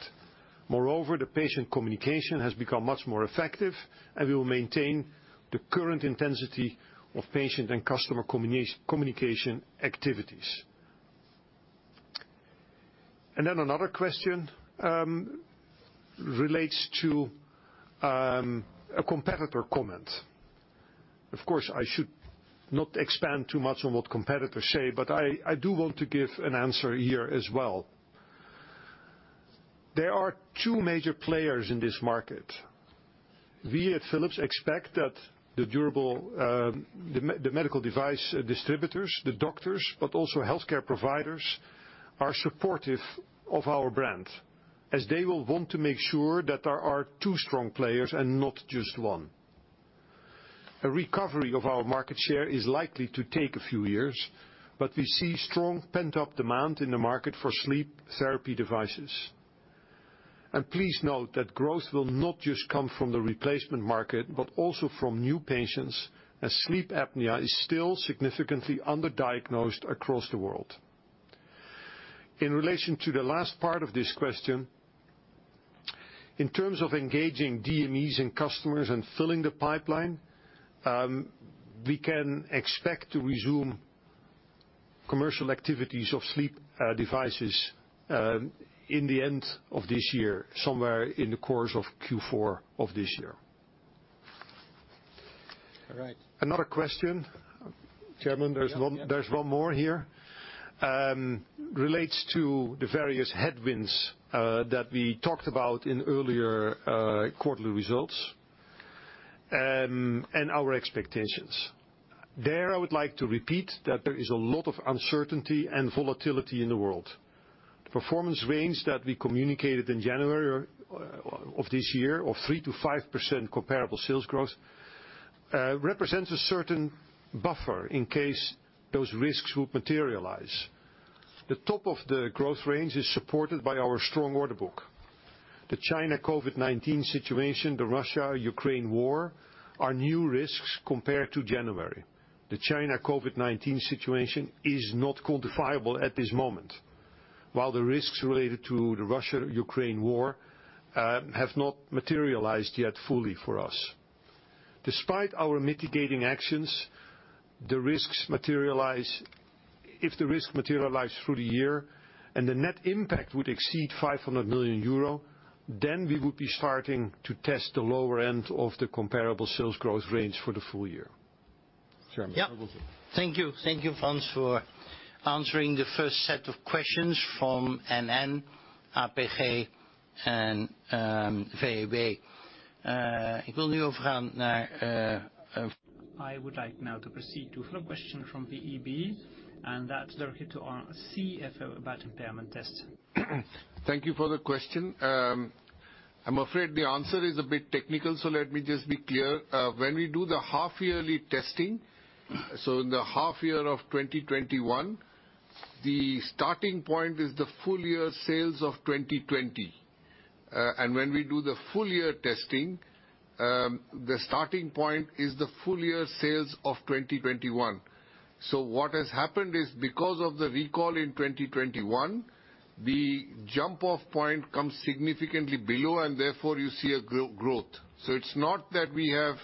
Moreover, the patient communication has become much more effective, and we will maintain the current intensity of patient and customer communication activities. Another question relates to a competitor comment. Of course, I should not expand too much on what competitors say, but I do want to give an answer here as well. There are two major players in this market. We at Philips expect that the durable medical device distributors, the doctors, but also healthcare providers, are supportive of our brand, as they will want to make sure that there are two strong players and not just one. A recovery of our market share is likely to take a few years, but we see strong pent-up demand in the market for sleep therapy devices. Please note that growth will not just come from the replacement market, but also from new patients, as sleep apnea is still significantly underdiagnosed across the world. In relation to the last part of this question, in terms of engaging DMEs and customers and filling the pipeline, we can expect to resume commercial activities of sleep devices in the end of this year, somewhere in the course of Q4 of this year. All right. Another question. Chairman, there's one more here. Relates to the various headwinds that we talked about in earlier quarterly results and our expectations. There, I would like to repeat that there is a lot of uncertainty and volatility in the world. The performance range that we communicated in January of this year of 3%-5% comparable sales growth represents a certain buffer in case those risks would materialize. The top of the growth range is supported by our strong order book. The China COVID-19 situation, the Russia-Ukraine war, are new risks compared to January. The China COVID-19 situation is not quantifiable at this moment, while the risks related to the Russia-Ukraine war have not materialized yet fully for us. Despite our mitigating actions, the risks materialize. If the risk materializes through the year and the net impact would exceed 500 million euro, then we would be starting to test the lower end of the comparable sales growth range for the full year. Chairman. Yeah. Thank you. Thank you, Frans, for answering the first set of questions from NN, APG, and VEB. I would like now to proceed to a follow question from VEB, and that's directed to our CFO about impairment test. Thank you for the question. I'm afraid the answer is a bit technical, so let me just be clear. When we do the half yearly testing, in the half year of 2021, the starting point is the full year sales of 2020. When we do the full year testing, the starting point is the full year sales of 2021. What has happened is because of the recall in 2021, the jump-off point comes significantly below, and therefore you see a growth. It's not that we have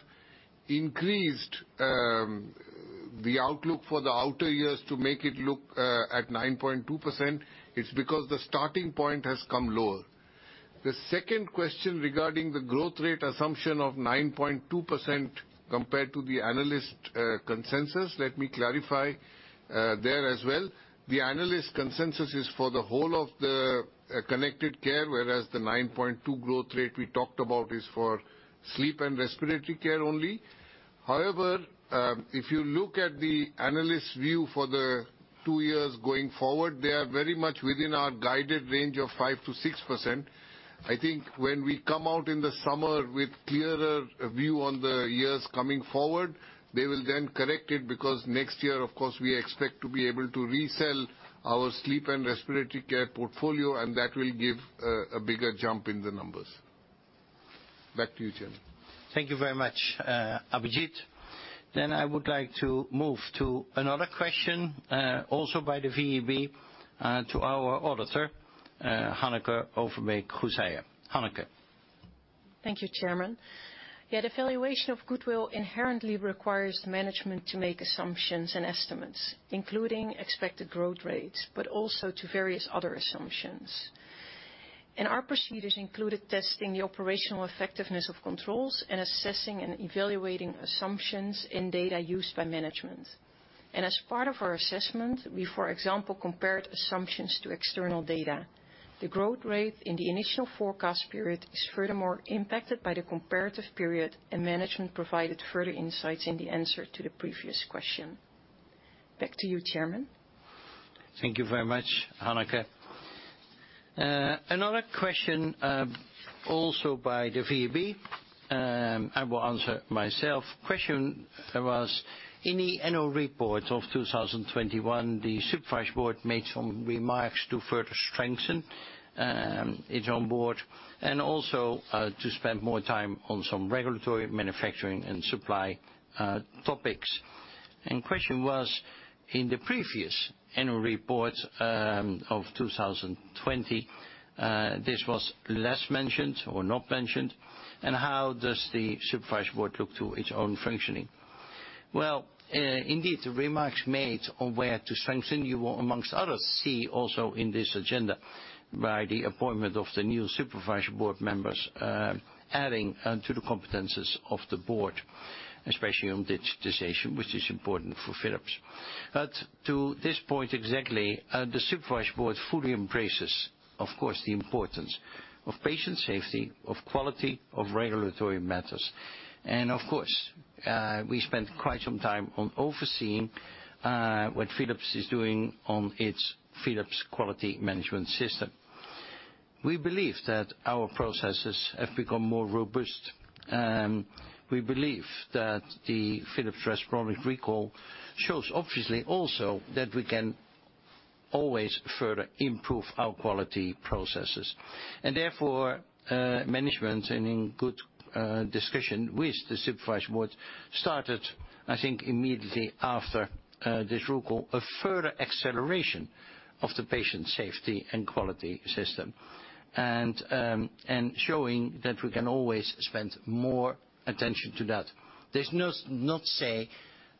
increased the outlook for the outer years to make it look at 9.2% is because the starting point has come lower. The second question regarding the growth rate assumption of 9.2% compared to the analyst consensus, let me clarify there as well. The analyst consensus is for the whole of the Connected Care, whereas the 9.2% growth rate we talked about is for sleep and respiratory care only. However, if you look at the analyst view for the two years going forward, they are very much within our guided range of 5%-6%. I think when we come out in the summer with clearer view on the years coming forward, they will then correct it because next year, of course, we expect to be able to resell our sleep and respiratory care portfolio, and that will give a bigger jump in the numbers. Back to you, Chairman. Thank you very much, Abhijit. I would like to move to another question, also by the VEB, to our auditor, Hanneke Overbeek-Goeseije. Hanneke. Thank you, Chairman. Yeah, the valuation of goodwill inherently requires management to make assumptions and estimates, including expected growth rates, but also to various other assumptions. Our procedures included testing the operational effectiveness of controls and assessing and evaluating assumptions in data used by management. As part of our assessment, we, for example, compared assumptions to external data. The growth rate in the initial forecast period is furthermore impacted by the comparative period, and management provided further insights in the answer to the previous question. Back to you, Chairman. Thank you very much, Hanneke. Another question, also by the VEB. I will answer myself. Question was, in the annual report of 2021, the Supervisory Board made some remarks to further strengthen its own board and also to spend more time on some regulatory, manufacturing, and supply topics. Question was, in the previous annual report of 2020, this was less mentioned or not mentioned, and how does the Supervisory Board look to its own functioning? Well, indeed, the remarks made on where to strengthen, you will, amongst others, see also in this agenda by the appointment of the new Supervisory Board members, adding to the competencies of the board, especially on digitization, which is important for Philips. To this point exactly, the Supervisory Board fully embraces, of course, the importance of patient safety, of quality, of regulatory matters. Of course, we spent quite some time on overseeing what Philips is doing on its Philips Quality Management System. We believe that our processes have become more robust. We believe that the Philips Respironics recall shows obviously also that we can always further improve our quality processes. Therefore, management and in good discussion with the Supervisory Board started, I think, immediately after this recall, a further acceleration of the patient safety and quality system. Showing that we can always spend more attention to that. This does not say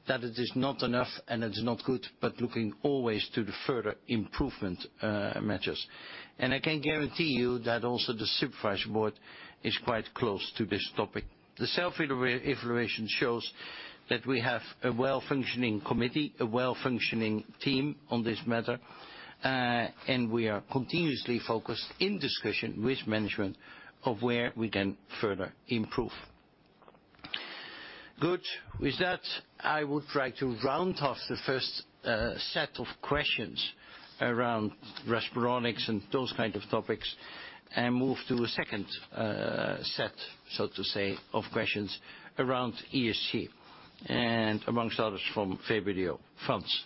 that it is not enough and it is not good, but looking always to the further improvement matters. I can guarantee you that also the Supervisory Board is quite close to this topic. The self-evaluation shows that we have a well-functioning committee, a well-functioning team on this matter, and we are continuously focused in discussion with management of where we can further improve. Good. With that, I would like to round off the first set of questions around Respironics and those kind of topics and move to a second set, so to say, of questions around ESG and amongst others from VBDO. Frans.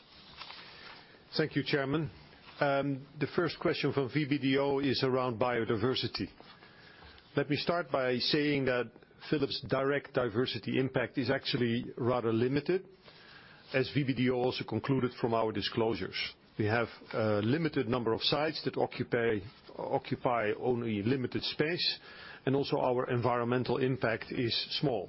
Thank you, Chairman. The first question from VBDO is around biodiversity. Let me start by saying that Philips' direct diversity impact is actually rather limited, as VBDO also concluded from our disclosures. We have a limited number of sites that occupy only limited space, and also our environmental impact is small,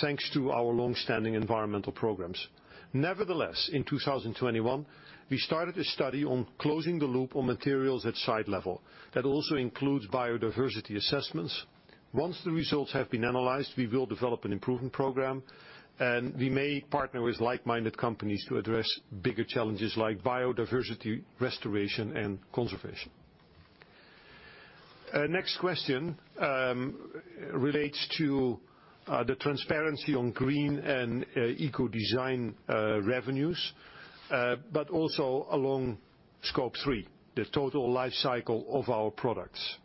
thanks to our long-standing environmental programs. Nevertheless, in 2021, we started a study on closing the loop on materials at site level. That also includes biodiversity assessments. Once the results have been analyzed, we will develop an improvement program, and we may partner with like-minded companies to address bigger challenges like biodiversity, restoration, and conservation. Next question relates to the transparency on green and eco design revenues, but also along Scope 3, the total life cycle of our products.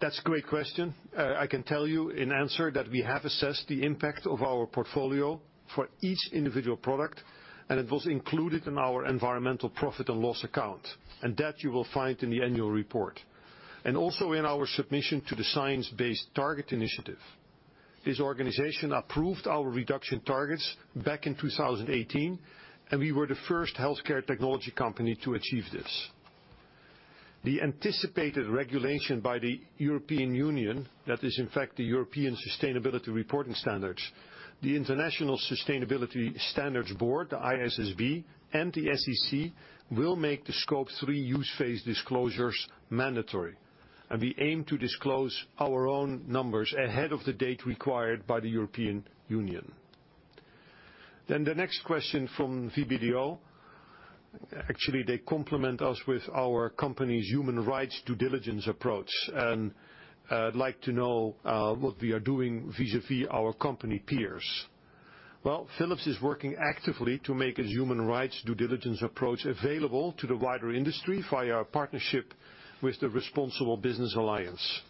That's a great question. I can tell you in answer that we have assessed the impact of our portfolio for each individual product, and it was included in our environmental profit and loss account. That you will find in the annual report. Also in our submission to the Science Based Targets initiative. This organization approved our reduction targets back in 2018, and we were the first healthcare technology company to achieve this. The anticipated regulation by the European Union, that is in fact the European Sustainability Reporting Standards, the International Sustainability Standards Board, the ISSB, and the SEC will make the Scope 3 use phase disclosures mandatory. We aim to disclose our own numbers ahead of the date required by the European Union. The next question from VBDO. Actually, they compliment us with our company's human rights due diligence approach, and like to know what we are doing vis-à-vis our company peers. Well, Philips is working actively to make its human rights due diligence approach available to the wider industry via our partnership with the Responsible Business Alliance.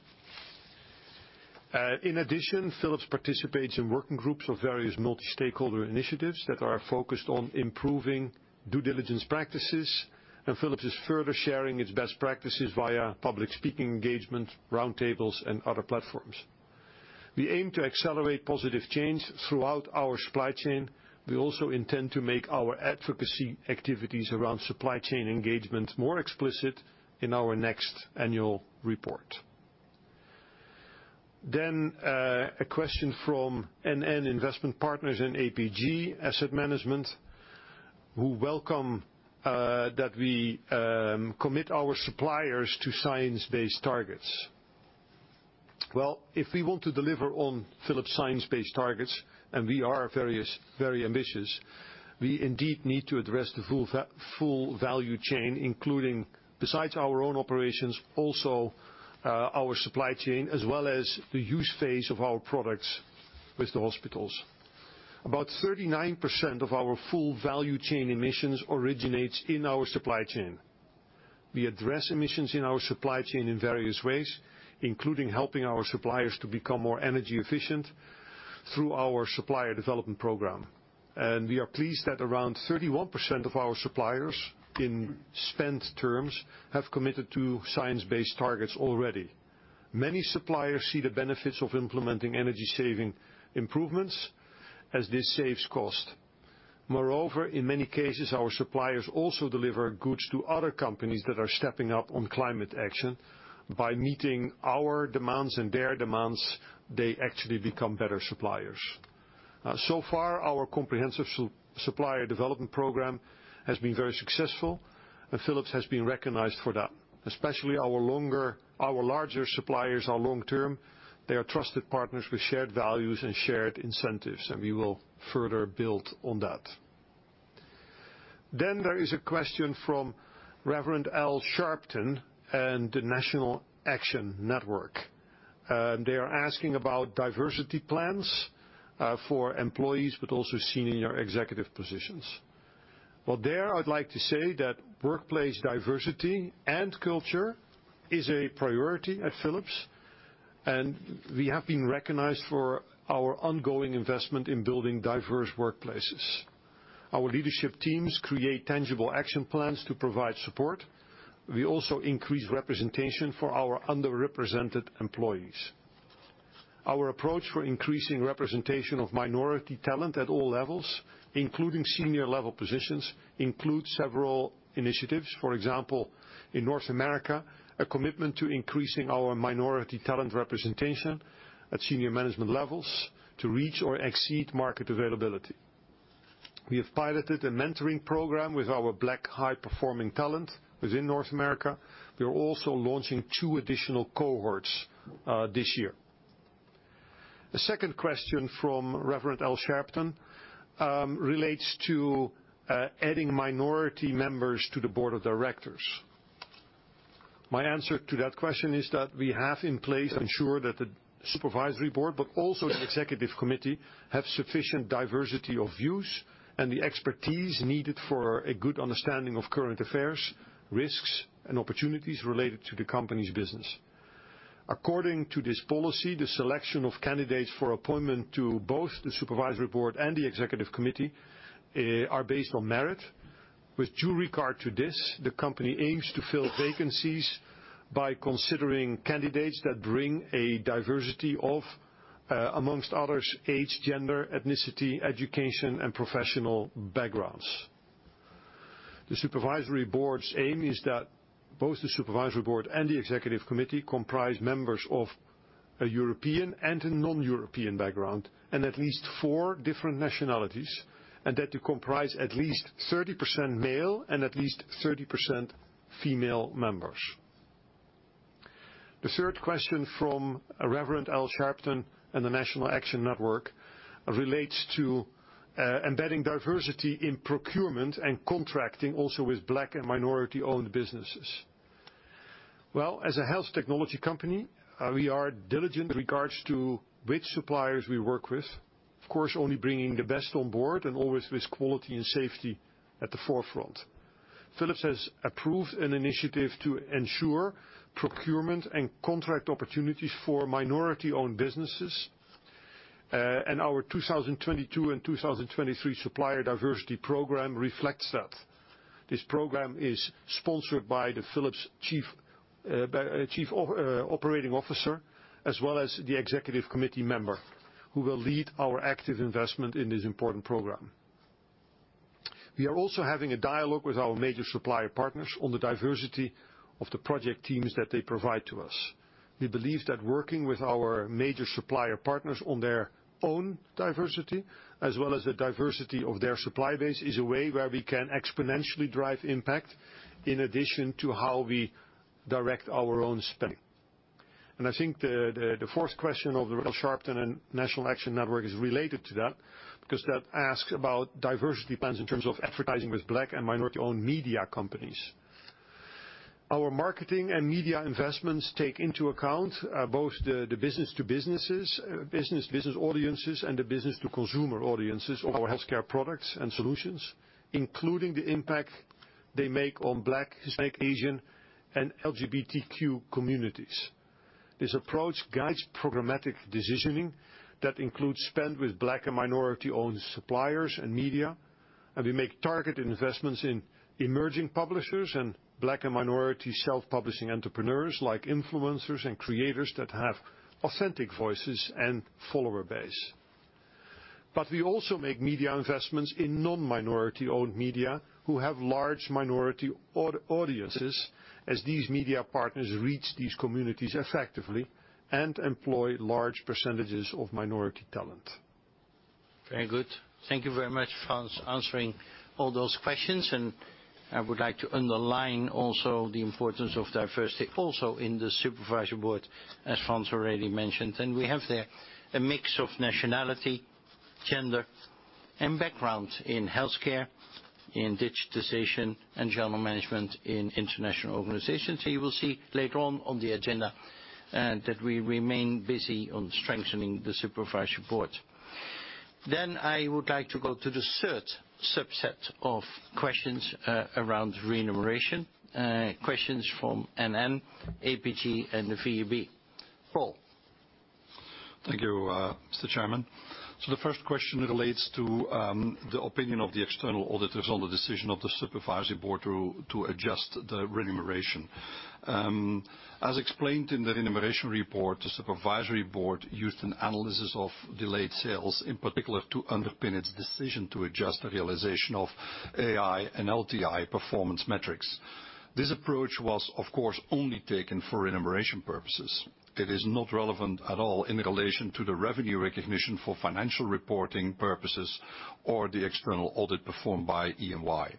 In addition, Philips participates in working groups of various multi-stakeholder initiatives that are focused on improving due diligence practices, and Philips is further sharing its best practices via public speaking engagements, roundtables, and other platforms. We aim to accelerate positive change throughout our supply chain. We also intend to make our advocacy activities around supply chain engagement more explicit in our next annual report. A question from NN Investment Partners and APG Asset Management, who welcome that we commit our suppliers to science-based targets. Well, if we want to deliver on Philips' science-based targets, and we are very ambitious, we indeed need to address the full value chain, including, besides our own operations, also, our supply chain, as well as the use phase of our products with the hospitals. About 39% of our full value chain emissions originates in our supply chain. We address emissions in our supply chain in various ways, including helping our suppliers to become more energy efficient through our supplier development program. We are pleased that around 31% of our suppliers, in spent terms, have committed to science-based targets already. Many suppliers see the benefits of implementing energy saving improvements as this saves cost. Moreover, in many cases, our suppliers also deliver goods to other companies that are stepping up on climate action. By meeting our demands and their demands, they actually become better suppliers. So far, our comprehensive supplier development program has been very successful, and Philips has been recognized for that. Especially our larger suppliers are long-term. They are trusted partners with shared values and shared incentives, and we will further build on that. There is a question from Reverend Al Sharpton and the National Action Network. They are asking about diversity plans for employees, but also seen in your executive positions. Well, there, I'd like to say that workplace diversity and culture is a priority at Philips, and we have been recognized for our ongoing investment in building diverse workplaces. Our leadership teams create tangible action plans to provide support. We also increase representation for our underrepresented employees. Our approach for increasing representation of minority talent at all levels, including senior level positions, includes several initiatives. For example, in North America, a commitment to increasing our minority talent representation at senior management levels to reach or exceed market availability. We have piloted a mentoring program with our Black high-performing talent within North America. We are also launching two additional cohorts this year. The second question from Reverend Al Sharpton relates to adding minority members to the board of directors. My answer to that question is that we have in place ensure that the Supervisory Board, but also the executive committee, have sufficient diversity of views and the expertise needed for a good understanding of current affairs, risks, and opportunities related to the company's business. According to this policy, the selection of candidates for appointment to both the Supervisory Board and the executive committee are based on merit. With due regard to this, the company aims to fill vacancies by considering candidates that bring a diversity of, among others, age, gender, ethnicity, education, and professional backgrounds. The Supervisory Board's aim is that both the Supervisory Board and the executive committee comprise members of a European and a non-European background and at least four different nationalities, and that they comprise at least 30% male and at least 30% female members. The third question from Reverend Al Sharpton and the National Action Network relates to embedding diversity in procurement and contracting also with Black and minority-owned businesses. Well, as a health technology company, we are diligent in regards to which suppliers we work with. Of course, only bringing the best on board and always with quality and safety at the forefront. Philips has approved an initiative to ensure procurement and contract opportunities for minority-owned businesses. Our 2022 and 2023 supplier diversity program reflects that. This program is sponsored by the Philips Chief Operating Officer, as well as the executive committee member, who will lead our active investment in this important program. We are also having a dialogue with our major supplier partners on the diversity of the project teams that they provide to us. We believe that working with our major supplier partners on their own diversity, as well as the diversity of their supply base, is a way where we can exponentially drive impact in addition to how we direct our own spending. I think the fourth question of the Reverend Al Sharpton and National Action Network is related to that, because that asks about diversity plans in terms of advertising with Black and minority-owned media companies. Our marketing and media investments take into account both the business to businesses, business-business audiences, and the business to consumer audiences of our healthcare products and solutions, including the impact they make on Black, Hispanic, Asian, and LGBTQ communities. This approach guides programmatic decisioning that includes spend with Black and minority-owned suppliers and media, and we make targeted investments in emerging publishers and Black and minority self-publishing entrepreneurs, like influencers and creators that have authentic voices and follower base. We also make media investments in non-minority-owned media who have large minority audiences, as these media partners reach these communities effectively and employ large percentages of minority talent. Very good. Thank you very much, Frans, answering all those questions. I would like to underline also the importance of diversity also in the Supervisory Board, as Frans already mentioned. We have there a mix of nationality, gender, and background in healthcare, in digitization, and general management in international organizations. You will see later on on the agenda that we remain busy on strengthening the Supervisory Board. I would like to go to the third subset of questions around remuneration. Questions from NN, APG, and the VEB. Paul. Thank you, Mr. Chairman. The first question relates to the opinion of the external auditors on the decision of the Supervisory Board to adjust the remuneration. As explained in the remuneration report, the Supervisory Board used an analysis of delayed sales, in particular, to underpin its decision to adjust the realization of AI and LTI performance metrics. This approach was, of course, only taken for remuneration purposes. It is not relevant at all in relation to the revenue recognition for financial reporting purposes or the external audit performed by EY.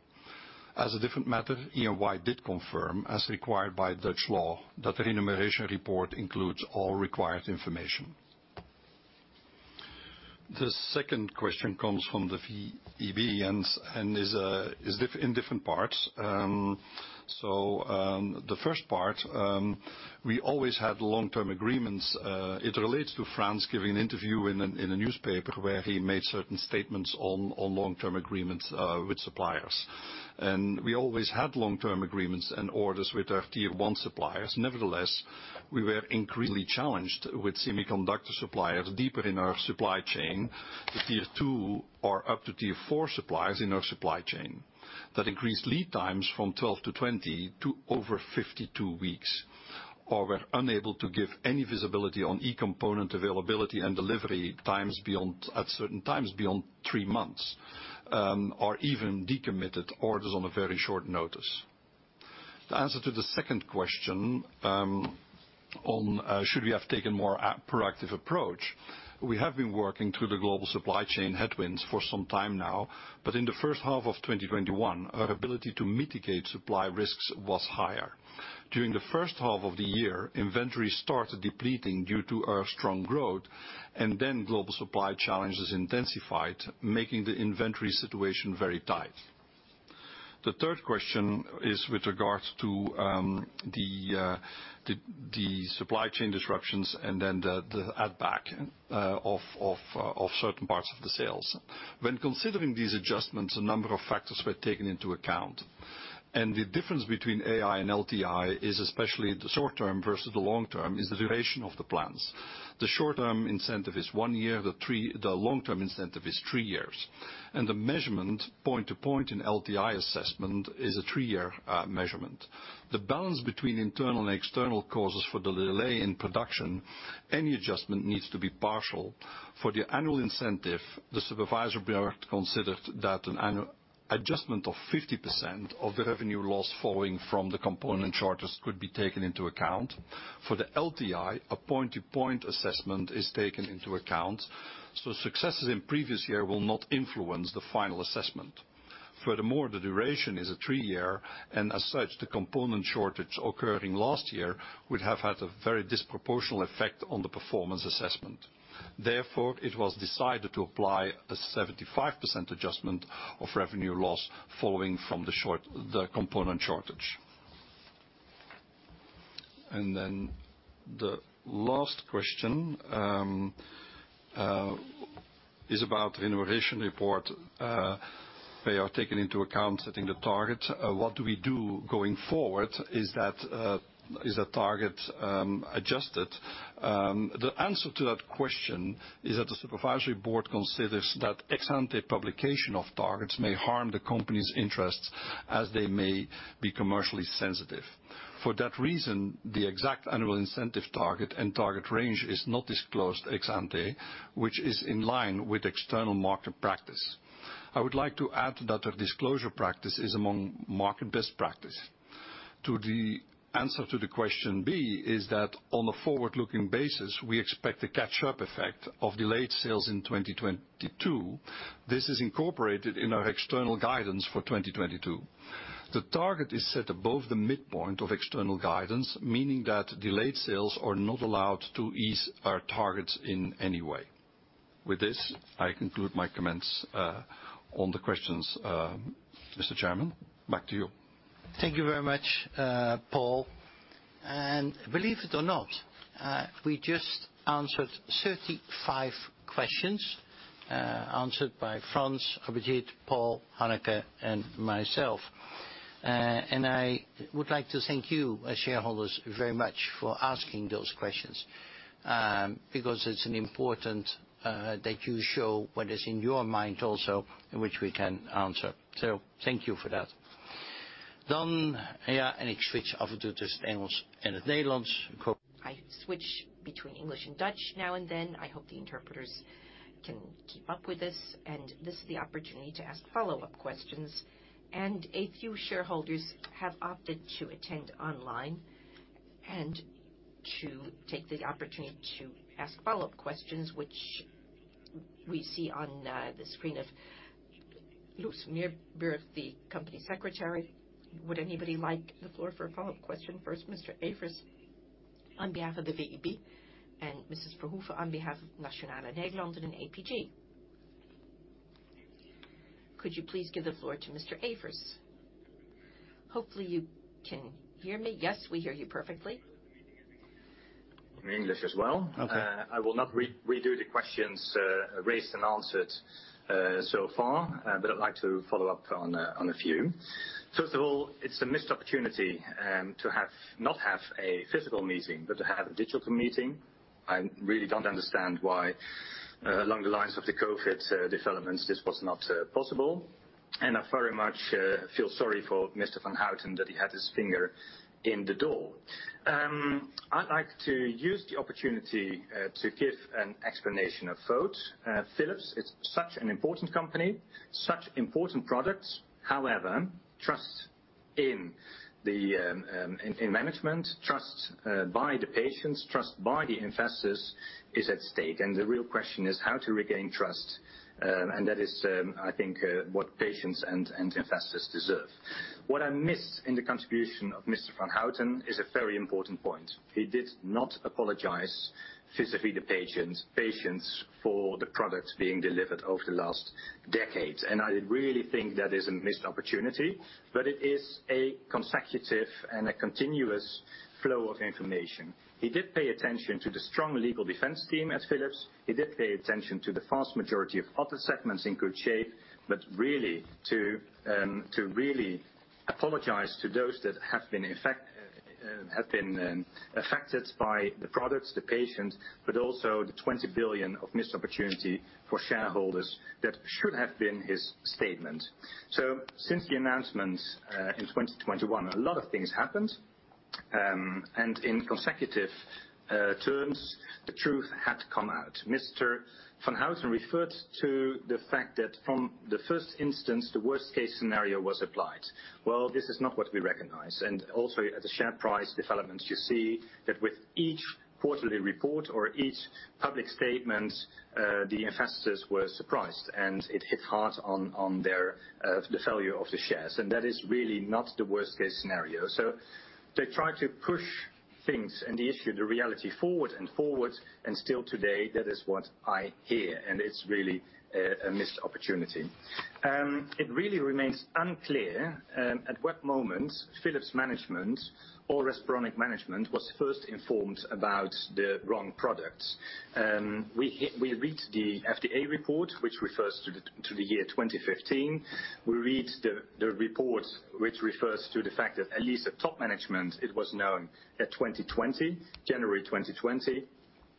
As a different matter, EY did confirm, as required by Dutch law, that the remuneration report includes all required information. The second question comes from the VEB and is in different parts. The first part, we always had long-term agreements. It relates to Frans giving an interview in a newspaper where he made certain statements on long-term agreements with suppliers. We always had long-term agreements and orders with our tier one suppliers. Nevertheless, we were increasingly challenged with semiconductor suppliers deeper in our supply chain to tier two or up to tier four suppliers in our supply chain. That increased lead times from 12 to 20 to over 52 weeks, or were unable to give any visibility on e-component availability and delivery times beyond, at certain times beyond three months, or even decommitted orders on a very short notice. The answer to the second question, on should we have taken more a proactive approach, we have been working through the global supply chain headwinds for some time now, but in the first half of 2021, our ability to mitigate supply risks was higher. During the first half of the year, inventory started depleting due to our strong growth, and then global supply challenges intensified, making the inventory situation very tight. The third question is with regards to the supply chain disruptions and then the add back of certain parts of the sales. When considering these adjustments, a number of factors were taken into account. The difference between AI and LTI is especially the short term versus the long term, the duration of the plans. The short-term incentive is one year, the three... The long-term incentive is three years. The measurement point-to-point in LTI assessment is a three-year measurement. The balance between internal and external causes for the delay in production, any adjustment needs to be partial. For the annual incentive, the Supervisory Board considered that an adjustment of 50% of the revenue loss following from the component shortages could be taken into account. For the LTI, a point-to-point assessment is taken into account, so successes in previous year will not influence the final assessment. Furthermore, the duration is a three-year, and as such, the component shortage occurring last year would have had a very disproportionate effect on the performance assessment. Therefore, it was decided to apply a 75% adjustment of revenue loss following from the component shortage. The last question is about Remuneration Report. They are taken into account, setting the target. What do we do going forward? Is the target adjusted? The answer to that question is that the Supervisory Board considers that ex-ante publication of targets may harm the company's interests as they may be commercially sensitive. For that reason, the exact annual incentive target and target range is not disclosed ex-ante, which is in line with external market practice. I would like to add that our disclosure practice is among market best practice. The answer to question B is that on a forward-looking basis, we expect a catch-up effect of delayed sales in 2022. This is incorporated in our external guidance for 2022. The target is set above the midpoint of external guidance, meaning that delayed sales are not allowed to ease our targets in any way. With this, I conclude my comments on the questions. Mr. Chairman, back to you. Thank you very much, Paul. Believe it or not, we just answered 35 questions, answered by Frans, Abhijit, Paul, Hanneke, and myself. I would like to thank you as shareholders very much for asking those questions, because it's an important that you show what is in your mind also, which we can answer. Thank you for that. Done. Yeah, it switches to just English and the Netherlands. I switch between English and Dutch now and then. I hope the interpreters can keep up with this. This is the opportunity to ask follow-up questions. A few shareholders have opted to attend online and to take the opportunity to ask follow-up questions, which we see on the screen of Loes Meerburg, the company secretary. Would anybody like the floor for a follow-up question? First, Mr. Evers on behalf of the VEB and Mrs. Verhoef on behalf of Nationale-Nederlanden and APG. Could you please give the floor to Mr. Evers? Hopefully, you can hear me. Yes, we hear you perfectly. In English as well. Okay. I will not redo the questions raised and answered so far, but I'd like to follow up on a few. First of all, it's a missed opportunity to not have a physical meeting, but to have a digital meeting. I really don't understand why, along the lines of the COVID developments, this was not possible. I very much feel sorry for Mr. Van Houten that he had his finger in the door. I'd like to use the opportunity to give an explanation of vote. Philips is such an important company, such important products. However, trust in the management, trust by the patients, trust by the investors is at stake. The real question is how to regain trust. That is, I think, what patients and investors deserve. What I missed in the contribution of Mr. van Houten is a very important point. He did not apologize physically to patients for the products being delivered over the last decades. I really think that is a missed opportunity, but it is a consecutive and a continuous flow of information. He did pay attention to the strong legal defense team at Philips. He did pay attention to the vast majority of other segments in good shape, but really to really apologize to those that have been affected by the products, the patients, but also the 20 billion of missed opportunity for shareholders that should have been his statement. Since the announcement in 2021, a lot of things happened. In consecutive terms, the truth had to come out. Mr. van Houten referred to the fact that from the first instance, the worst case scenario was applied. Well, this is not what we recognize. Also at the share price developments, you see that with each quarterly report or each public statement, the investors were surprised, and it hit hard on the value of the shares. That is really not the worst case scenario. To try to push things and the issue, the reality forward and forward, and still today, that is what I hear, and it's really a missed opportunity. It really remains unclear at what moment Philips management or Respironics management was first informed about the wrong products. We read the FDA report, which refers to the year 2015. We read the report which refers to the fact that at least at top management it was known at 2020, January 2020.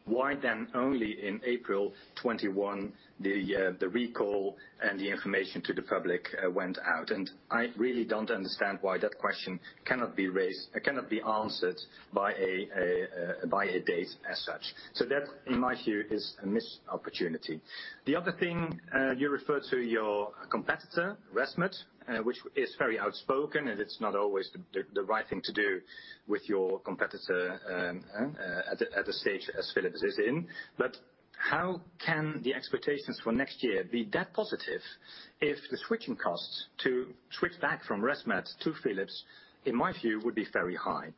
Why then only in April 2021 the recall and the information to the public went out? I really don't understand why that question cannot be raised, cannot be answered by a date as such. That, in my view, is a missed opportunity. The other thing, you referred to your competitor, ResMed, which is very outspoken, and it's not always the right thing to do with your competitor, at the stage as Philips is in. How can the expectations for next year be that positive if the switching costs to switch back from ResMed to Philips, in my view, would be very high?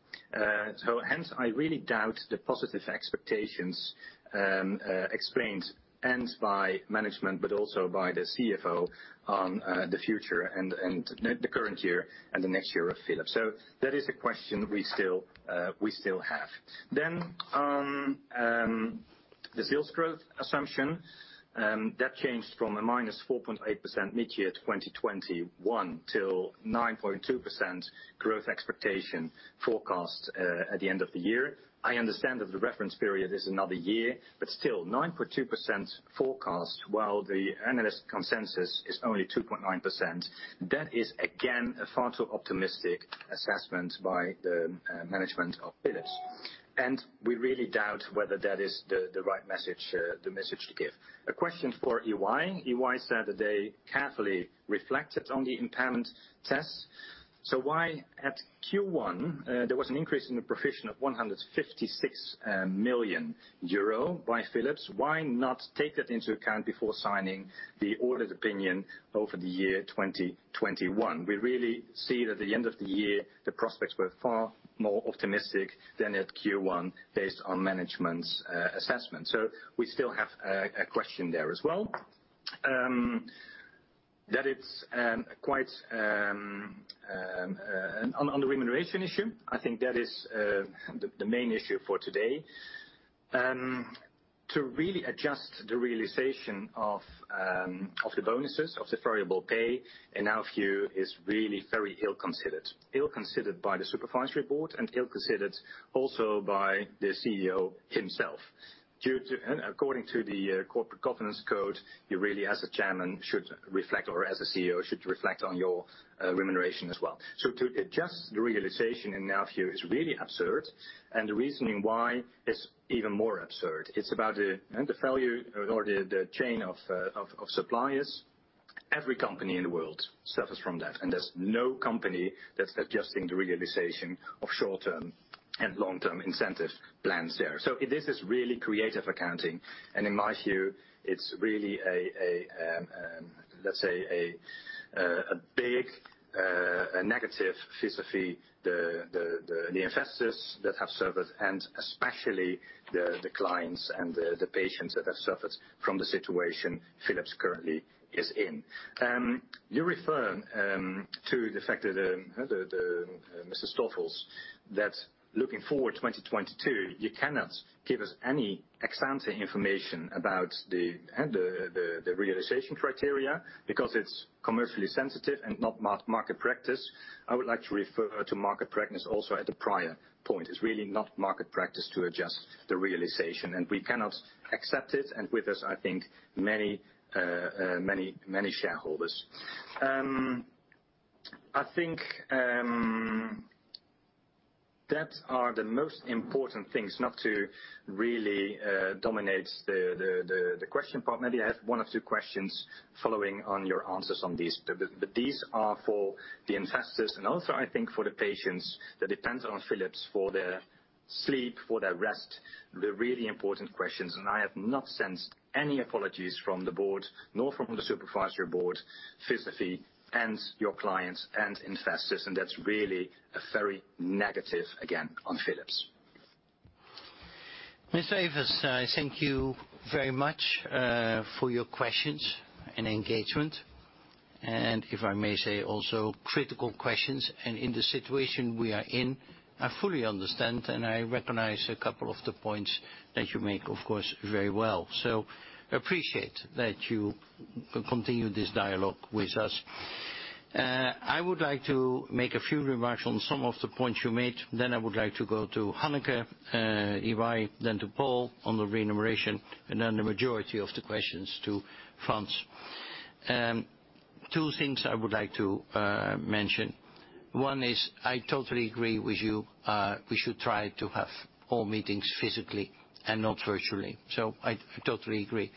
Hence, I really doubt the positive expectations explained by management, but also by the CFO on the future and the current year and the next year of Philips. That is a question we still have. The sales growth assumption that changed from -4.8% mid-year 2021 to 9.2% growth expectation forecast at the end of the year. I understand that the reference period is another year, but still 9.2% forecast, while the analyst consensus is only 2.9%, that is again a far too optimistic assessment by the management of Philips. We really doubt whether that is the right message, the message to give. A question for EY. EY said that they carefully reflected on the impairment test. Why at Q1 there was an increase in the provision of 156 million euro by Philips, why not take that into account before signing the audit opinion over the year 2021? We really see that the end of the year, the prospects were far more optimistic than at Q1 based on management's assessment. We still have a question there as well. That it's quite on the remuneration issue, I think that is the main issue for today. To really adjust the realization of the bonuses of the variable pay, in our view, is really very ill-considered. Ill-considered by the Supervisory Board and ill-considered also by the CEO himself. Due to According to the Dutch Corporate Governance Code, you really, as a chairman, should reflect, or as a CEO, should reflect on your remuneration as well. To adjust the realization in our view is really absurd, and the reasoning why is even more absurd. It's about the value or the chain of suppliers. Every company in the world suffers from that, and there's no company that's adjusting the realization of short-term and long-term incentive plans there. This is really creative accounting, and in my view, it's really a let's say a big negative for the investors that have suffered, and especially the clients and the patients that have suffered from the situation Philips currently is in. You refer to the fact that the Mr. Stoffels, that looking forward to 2022, you cannot give us any ex-ante information about the realization criteria because it's commercially sensitive and not market practice. I would like to refer to market practice also at the prior point. It's really not market practice to adjust the realization, and we cannot accept it, and with us, I think many shareholders. I think that are the most important things, not to really dominate the question part. Maybe I have one or two questions following on your answers on this. These are for the investors and also I think for the patients that depends on Philips for their sleep, for their rest, the really important questions, and I have not sensed any apologies from the board, nor from the Supervisory Board physically and your clients and investors, and that's really a very negative, again, on Philips. Mr. Evers, thank you very much for your questions and engagement, and if I may say also critical questions. In the situation we are in, I fully understand, and I recognize a couple of the points that you make, of course, very well. Appreciate that you continue this dialogue with us. I would like to make a few remarks on some of the points you made. I would like to go to Hanneke, EY, then to Paul on the remuneration, and then the majority of the questions to Frans. Two things I would like to mention. One is I totally agree with you, we should try to have all meetings physically and not virtually. I totally agree.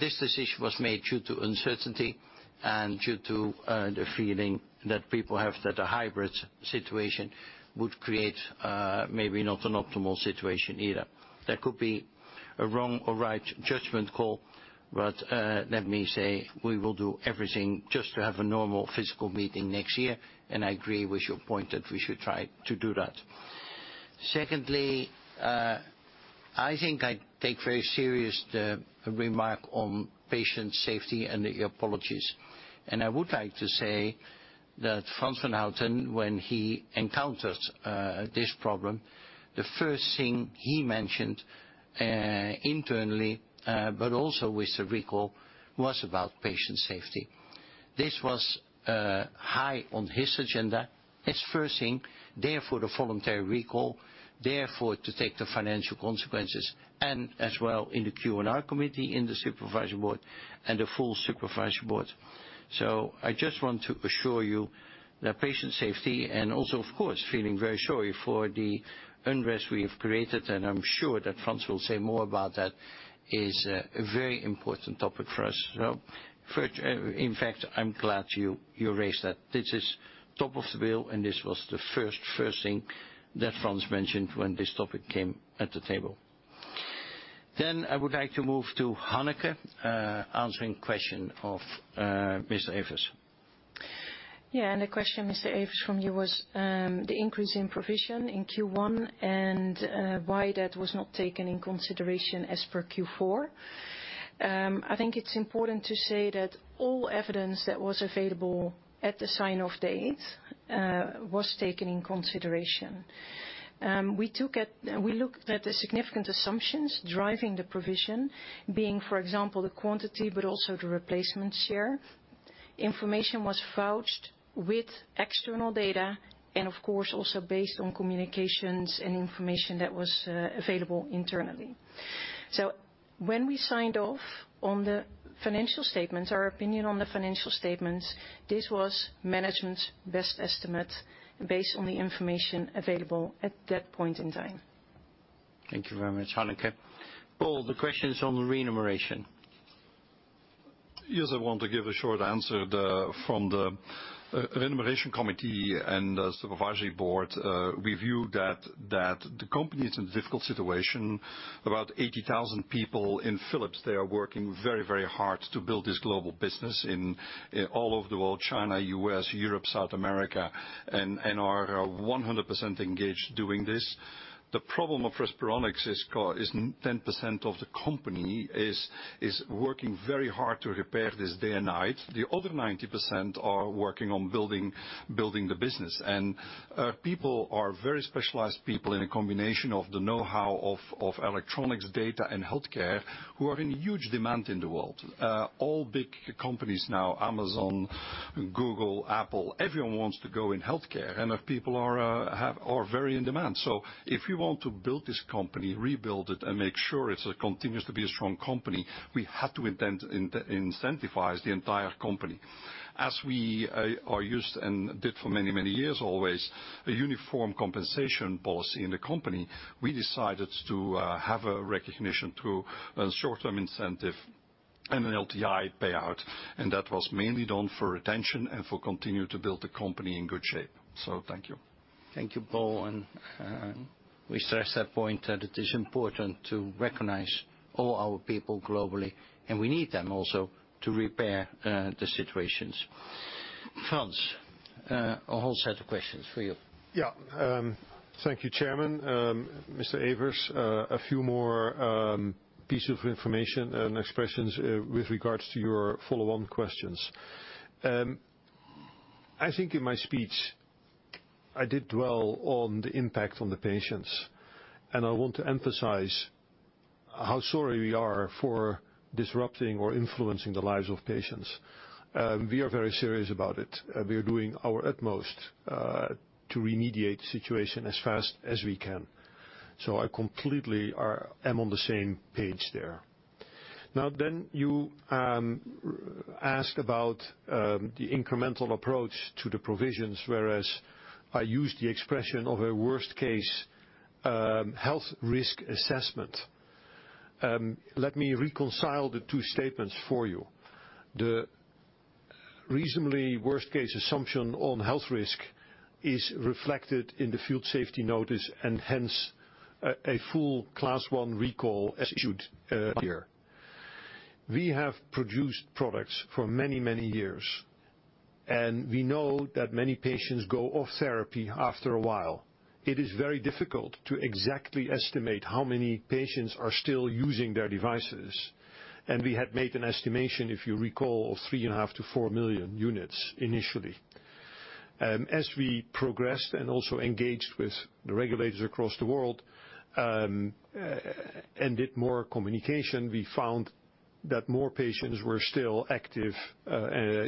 This decision was made due to uncertainty and the feeling that people have that a hybrid situation would create maybe not an optimal situation either. That could be a wrong or right judgment call, but let me say we will do everything just to have a normal physical meeting next year. I agree with your point that we should try to do that. Secondly, I think I take very serious the remark on patient safety and your apologies. I would like to say that Frans van Houten, when he encounters this problem, the first thing he mentioned internally but also with the recall, was about patient safety. This was high on his agenda as first thing, therefore, the voluntary recall, therefore, to take the financial consequences, and as well in the Q&R Committee, in the Supervisory Board and the full Supervisory Board. I just want to assure you that patient safety and also, of course, feeling very sorry for the unrest we have created, and I'm sure that Frans will say more about that, is a very important topic for us. First, in fact, I'm glad you raised that. This is top of the bill, and this was the first thing that Frans mentioned when this topic came at the table. I would like to move to Hanneke answering question of Mr. Evers. The question, Mr. Evers, from you was the increase in provision in Q1 and why that was not taken in consideration as per Q4. I think it's important to say that all evidence that was available at the sign-off date was taken in consideration. We looked at the significant assumptions driving the provision, being, for example, the quantity, but also the replacement share. Information was vouched with external data and of course, also based on communications and information that was available internally. When we signed off on the financial statements, our opinion on the financial statements, this was management's best estimate based on the information available at that point in time. Thank you very much, Hanneke. Paul, the question is on remuneration. Yes, I want to give a short answer. From the remuneration committee and the Supervisory Board, we view that the company is in a difficult situation. About 80,000 people in Philips are working very hard to build this global business all over the world, China, U.S., Europe, South America, and are 100% engaged doing this. The problem of Respironics is 10% of the company is working very hard to repair this day and night. The other 90% are working on building the business. People are very specialized people in a combination of the know-how of electronics, data, and healthcare, who are in huge demand in the world. All big companies now, Amazon, Google, Apple, everyone wants to go in healthcare, and our people are have. Are very in demand. If we want to build this company, rebuild it, and make sure it's a continues to be a strong company, we had to incentivize the entire company. As we are used and did for many, many years, always a uniform compensation policy in the company, we decided to have a recognition through a short-term incentive and an LTI payout. That was mainly done for retention and for continue to build the company in good shape. Thank you. Thank you, Paul. We stress that point, that it is important to recognize all our people globally, and we need them also to repair the situations. Frans, a whole set of questions for you. Thank you, Chairman. Mr. Evers, a few more pieces of information and expressions with regards to your follow-on questions. I think in my speech, I did dwell on the impact on the patients, and I want to emphasize how sorry we are for disrupting or influencing the lives of patients. We are very serious about it. We are doing our utmost to remediate the situation as fast as we can. I completely am on the same page there. Now you ask about the incremental approach to the provisions, whereas I use the expression of a worst-case health risk assessment. Let me reconcile the two statements for you. The reasonably worst-case assumption on health risk is reflected in the field safety notice, and hence a full Class I recall as issued here. We have produced products for many, many years, and we know that many patients go off therapy after a while. It is very difficult to exactly estimate how many patients are still using their devices. We had made an estimation, if you recall, of 3.5 million-4 million units initially. As we progressed and also engaged with the regulators across the world, and did more communication, we found that more patients were still active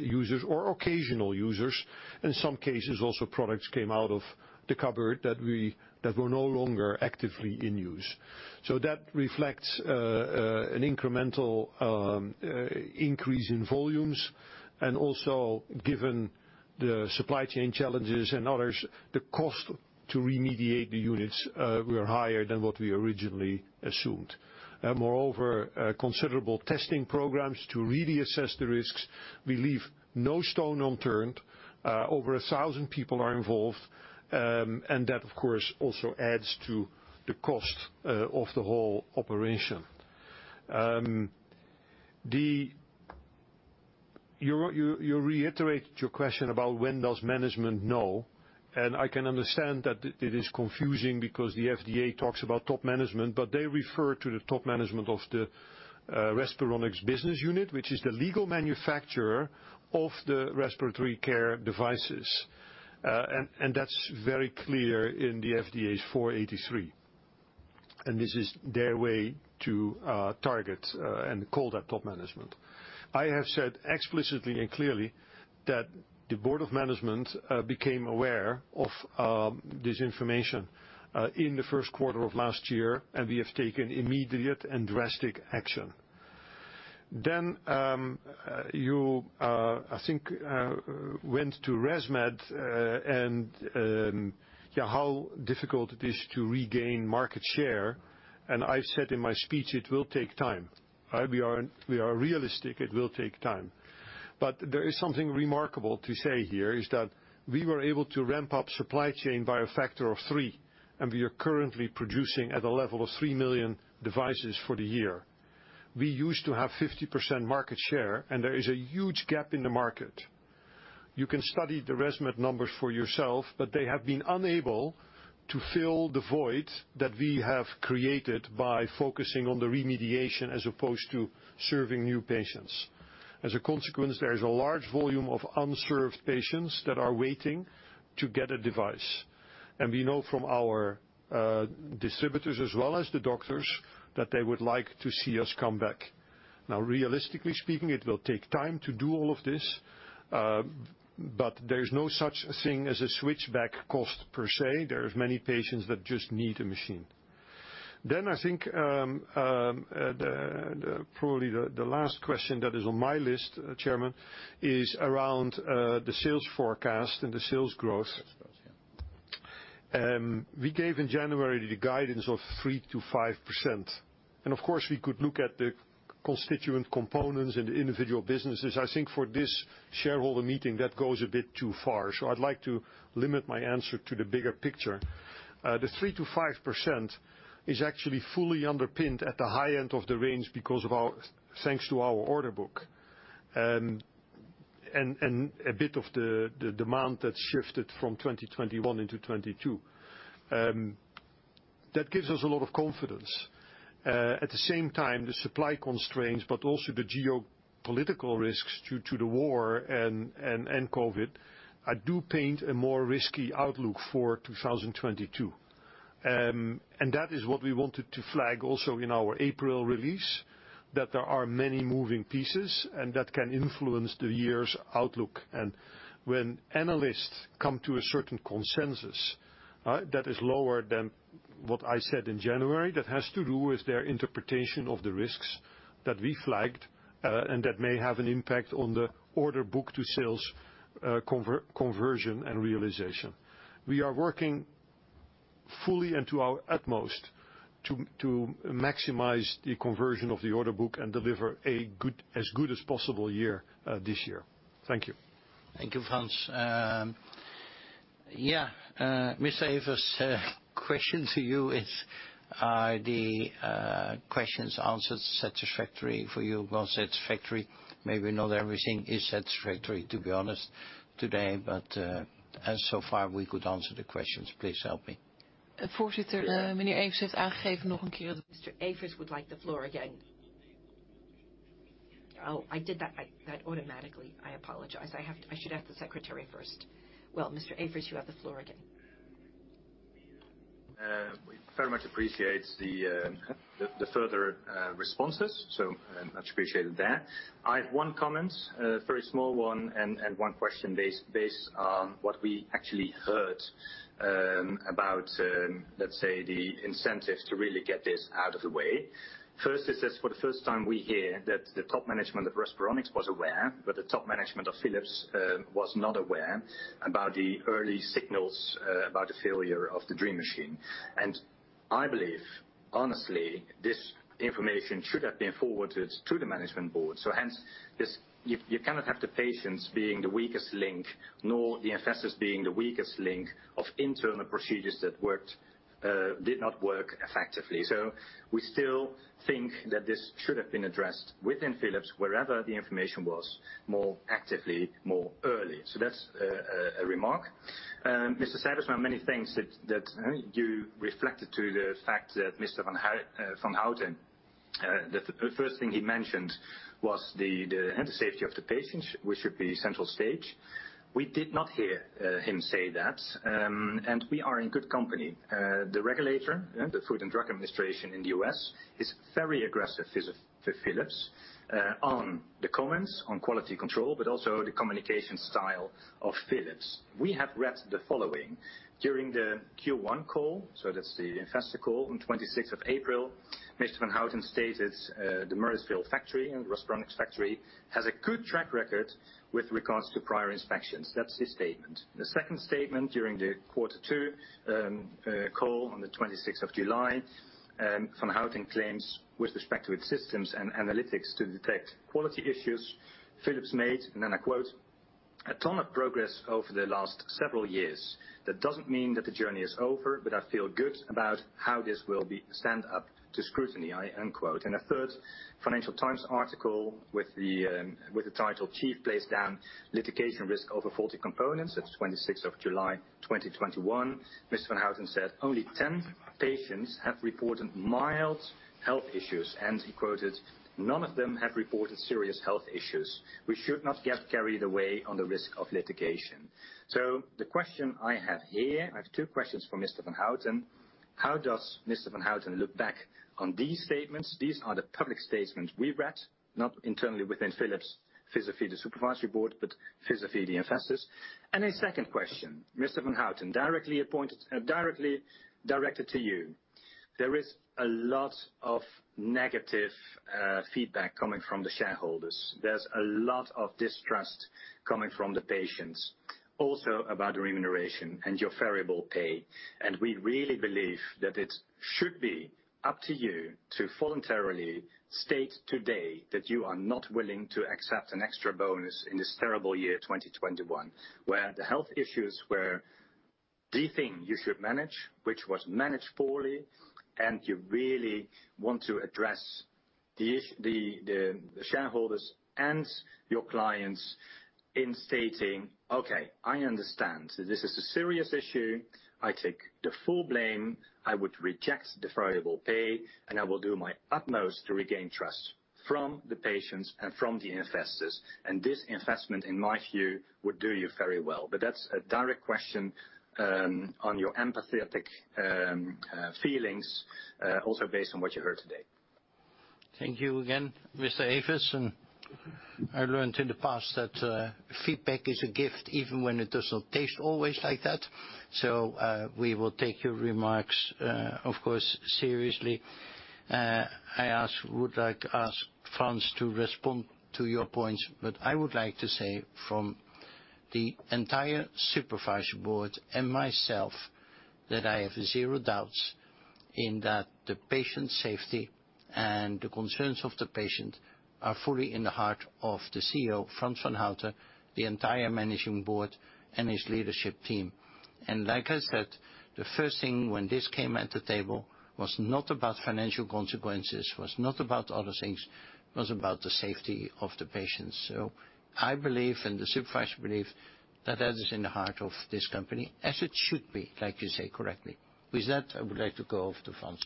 users or occasional users. In some cases, also products came out of the cupboard that were no longer actively in use. That reflects an incremental increase in volumes. Also, given the supply chain challenges and others, the cost to remediate the units were higher than what we originally assumed. Moreover, considerable testing programs to really assess the risks. We leave no stone unturned. Over 1,000 people are involved. That, of course, also adds to the cost of the whole operation. You reiterated your question about when does management know, and I can understand that it is confusing because the FDA talks about top management, but they refer to the top management of the Respironics business unit, which is the legal manufacturer of the respiratory care devices. That's very clear in the FDA's 483, and this is their way to target and call that top management. I have said explicitly and clearly that the Board of Management became aware of this information in the first quarter of last year, and we have taken immediate and drastic action. You went to ResMed and yeah, how difficult it is to regain market share. I said in my speech, it will take time, right? We are realistic. It will take time. There is something remarkable to say here, is that we were able to ramp up supply chain by a factor of three, and we are currently producing at a level of 3 million devices for the year. We used to have 50% market share, and there is a huge gap in the market. You can study the ResMed numbers for yourself, but they have been unable to fill the void that we have created by focusing on the remediation as opposed to serving new patients. As a consequence, there is a large volume of unserved patients that are waiting to get a device. We know from our distributors as well as the doctors that they would like to see us come back. Now, realistically speaking, it will take time to do all of this, but there is no such thing as a switchback cost per se. There are many patients that just need a machine. I think probably the last question that is on my list, Chairman, is around the sales forecast and the sales growth. We gave in January the guidance of 3%-5%. Of course, we could look at the constituent components in the individual businesses. I think for this shareholder meeting, that goes a bit too far. I'd like to limit my answer to the bigger picture. The 3%-5% is actually fully underpinned at the high end of the range thanks to our order book and a bit of the demand that's shifted from 2021 into 2022. That gives us a lot of confidence. At the same time, the supply constraints, but also the geopolitical risks due to the war and COVID, do paint a more risky outlook for 2022. That is what we wanted to flag also in our April release, that there are many moving pieces and that can influence the year's outlook. When analysts come to a certain consensus that is lower than what I said in January, that has to do with their interpretation of the risks that we flagged, and that may have an impact on the order book to sales conversion and realization. We are working fully and to our utmost to maximize the conversion of the order book and deliver as good as possible year this year. Thank you. Thank you, Frans. Mr. Evers, question to you is, are the questions answered satisfactory for you? Well, satisfactory, maybe not everything is satisfactory to be honest today, but so far we could answer the questions. Please help me. Mr. Evers would like the floor again. Oh, I did that automatically. I apologize. I should ask the secretary first. Well, Mr. Evers, you have the floor again. We very much appreciate the further responses, so much appreciated there. I have one comment, very small one, and one question based on what we actually heard about let's say, the incentives to really get this out of the way. First, it says for the first time we hear that the top management of Respironics was aware, but the top management of Philips was not aware about the early signals about the failure of the DreamStation. I believe, honestly, this information should have been forwarded to the management board. Hence, you cannot have the patients being the weakest link, nor the investors being the weakest link of internal procedures that did not work effectively. We still think that this should have been addressed within Philips, wherever the information was, more actively, more early. That's a remark. Mr. Sijbesma, on many things that you referred to the fact that Mr. van Houten, the first thing he mentioned was the safety of the patient which should be center stage. We did not hear him say that. We are in good company. The regulator, the Food and Drug Administration in the U.S., is very aggressive with Philips on the comments on quality control, but also the communication style of Philips. We have read the following. During the Q1 call, that's the investor call on 26th of April, Mr. van Houten stated, the Murrysville factory and Respironics factory has a good track record with regards to prior inspections. That's his statement. The second statement during the Q2 call on the 26th of July, van Houten claims with respect to its systems and analytics to detect quality issues, Philips made, and then I quote, "A ton of progress over the last several years. That doesn't mean that the journey is over, but I feel good about how this will stand up to scrutiny." I unquote. A third Financial Times article with the title Chief Plays Down Litigation Risk Over Faulty Components. That's 26th of July, 2021, Mr. van Houten said, "Only 10 patients have reported mild health issues." And he quoted, "None of them have reported serious health issues. We should not get carried away on the risk of litigation." The question I have here, I have two questions for Mr. van Houten. How does Mr. van Houten look back on these statements? These are the public statements we read, not internally within Philips vis-à-vis the Supervisory Board, but vis-à-vis the investors. A second question, Mr. van Houten, directly directed to you. There is a lot of negative feedback coming from the shareholders. There's a lot of distrust coming from the patients also about the remuneration and your variable pay. We really believe that it should be up to you to voluntarily state today that you are not willing to accept an extra bonus in this terrible year, 2021, where the health issues were the thing you should manage, which was managed poorly. You really want to address the shareholders and your clients in stating, "Okay, I understand. This is a serious issue. I take the full blame. I would reject the variable pay, and I will do my utmost to regain trust from the patients and from the investors." This investment, in my view, would do you very well. That's a direct question on your empathetic feelings also based on what you heard today. Thank you again, Mr. Evers. I learned in the past that feedback is a gift, even when it does not taste always like that. We will take your remarks, of course, seriously. I would like to ask Frans to respond to your points, but I would like to say from the entire Supervisory Board and myself that I have zero doubts in that the patient safety and the concerns of the patient are fully in the heart of the CEO, Frans van Houten, the entire Managing Board and his leadership team. Like I said, the first thing when this came at the table was not about financial consequences, was not about other things, it was about the safety of the patients. I believe and the supervisor believe that is in the heart of this company as it should be, like you say correctly. With that, I would like to go over to Frans.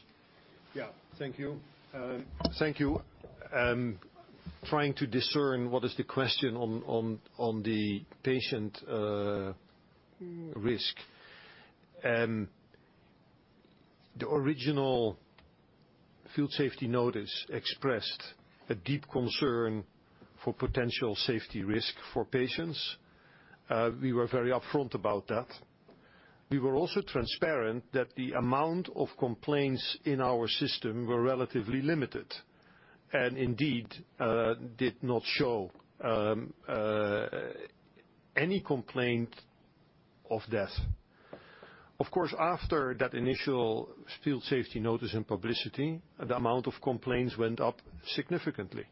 Yeah. Thank you. Thank you. Trying to discern what is the question on the patient risk. The original field safety notice expressed a deep concern for potential safety risk for patients. We were very upfront about that. We were also transparent that the amount of complaints in our system were relatively limited, and indeed, did not show any complaint of death. Of course, after that initial field safety notice and publicity, the amount of complaints went up significantly.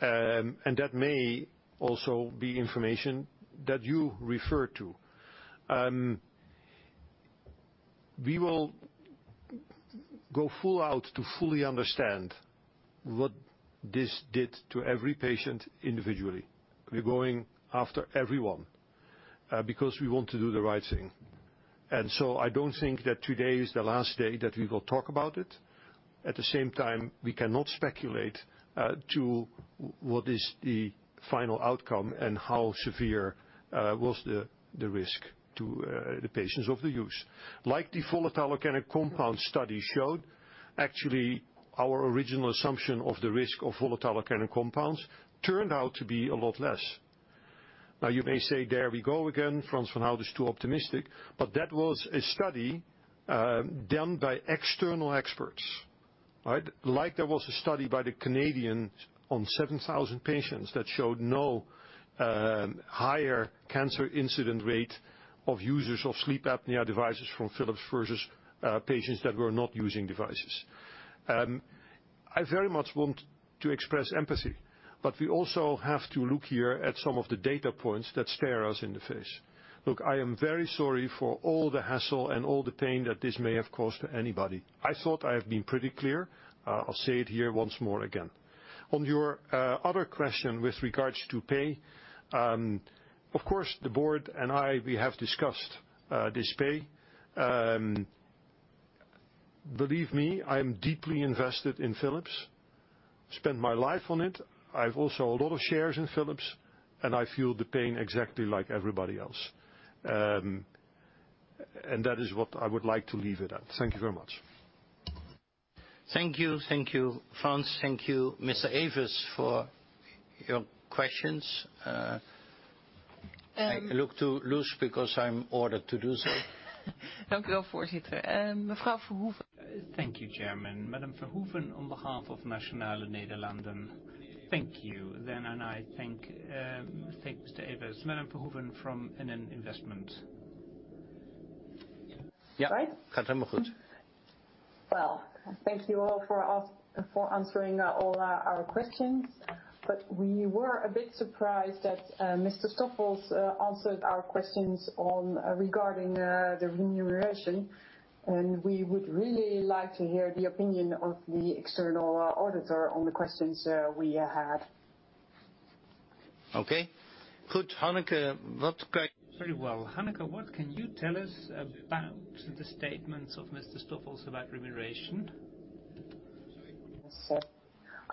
That may also be information that you referred to. We will go full out to fully understand what this did to every patient individually. We're going after everyone, because we want to do the right thing. I don't think that today is the last day that we will talk about it. At the same time, we cannot speculate to what is the final outcome and how severe was the risk to the patients of the use. Like the volatile organic compound study showed, actually, our original assumption of the risk of volatile organic compounds turned out to be a lot less. Now, you may say, "There we go again, Frans van Houten is too optimistic." But that was a study done by external experts, right? Like there was a study by the Canadians on 7,000 patients that showed no higher cancer incident rate of users of sleep apnea devices from Philips versus patients that were not using devices. I very much want to express empathy, but we also have to look here at some of the data points that stare us in the face. Look, I am very sorry for all the hassle and all the pain that this may have caused to anybody. I thought I have been pretty clear. I'll say it here once more again. On your other question with regards to pay, of course, the board and I, we have discussed this pay. Believe me, I am deeply invested in Philips, spent my life on it. I've also a lot of shares in Philips, and I feel the pain exactly like everybody else. That is what I would like to leave it at. Thank you very much. Thank you. Thank you, Frans. Thank you, Mr. Evers, for your questions. Um- I look to Loes because I'm ordered to do so. Thank you, Chairman. Madam Verhoef on behalf of Nationale-Nederlanden. Thank you then, and thanks to Evers. Madam Verhoef from NN Investment Partners. Right. Well, thank you all for answering all our questions. We were a bit surprised that Mr. Stoffels answered our questions regarding the remuneration. We would really like to hear the opinion of the external auditor on the questions we had. Okay. Hanneke, Very well. Hanneke, what can you tell us about the statements of Mr. Stoffels about remuneration?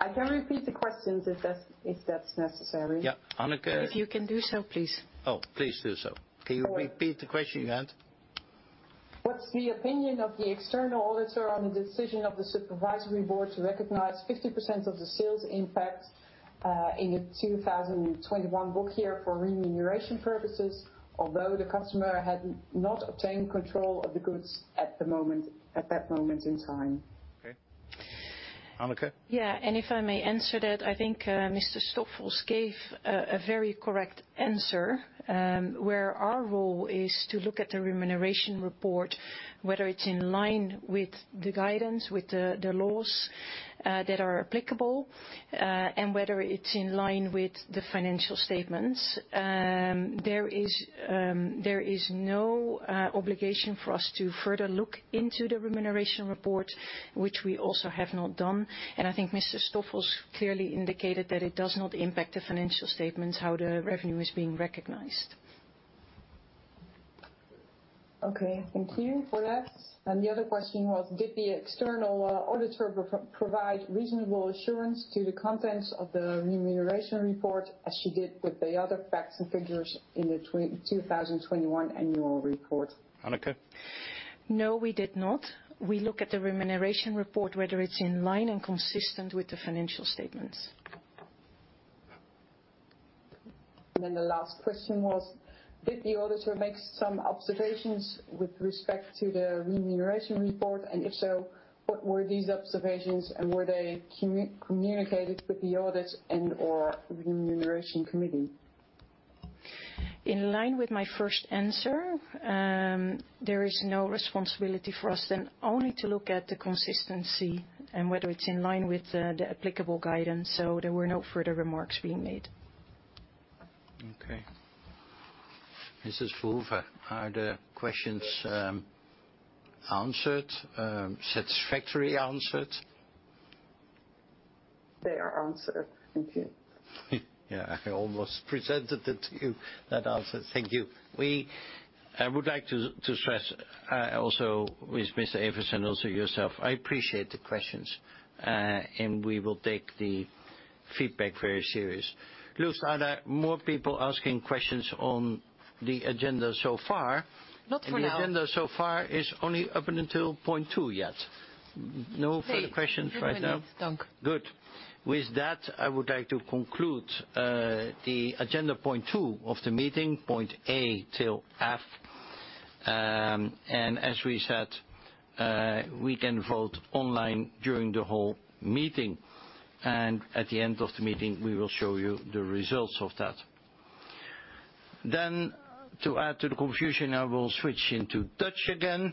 I can repeat the questions if that's necessary. Yeah. Hanneke If you can do so, please. Oh, please do so. Can you repeat the question you had? What's the opinion of the external auditor on the decision of the Supervisory Board to recognize 50% of the sales impact in the 2021 book year for remuneration purposes, although the customer had not obtained control of the goods at the moment, at that moment in time? Okay. Hanneke. Yeah. If I may answer that, I think Mr. Stoffels gave a very correct answer, where our role is to look at the remuneration report, whether it's in line with the guidance, with the laws that are applicable, and whether it's in line with the financial statements. There is no obligation for us to further look into the remuneration report, which we also have not done. I think Mr. Stoffels clearly indicated that it does not impact the financial statements, how the revenue is being recognized. Okay. Thank you for that. The other question was, did the external auditor provide reasonable assurance to the contents of the remuneration report as she did with the other facts and figures in the 2021 annual report? Hanneke. No, we did not. We look at the remuneration report, whether it's in line and consistent with the financial statements. The last question was, did the auditor make some observations with respect to the remuneration report? If so, what were these observations and were they communicated with the audit and/or the remuneration committee? In line with my first answer, there is no responsibility for us than only to look at the consistency and whether it's in line with the applicable guidance. There were no further remarks being made. Okay. Mrs. Verhoeven, are the questions answered satisfactorily? They are answered. Thank you. Yeah. I almost presented it to you, that answer. Thank you. I would like to stress also with Mr. Evers and also yourself. I appreciate the questions. We will take the feedback very serious. [Luz], are there more people asking questions on the agenda so far? Not for now. The agenda so far is only up until point two yet. No further questions right now? Nee. Voor nu niet, dank. Good. With that, I would like to conclude the agenda point two of the meeting, point A till F. As we said, we can vote online during the whole meeting, and at the end of the meeting, we will show you the results of that. To add to the confusion, I will switch into Dutch again,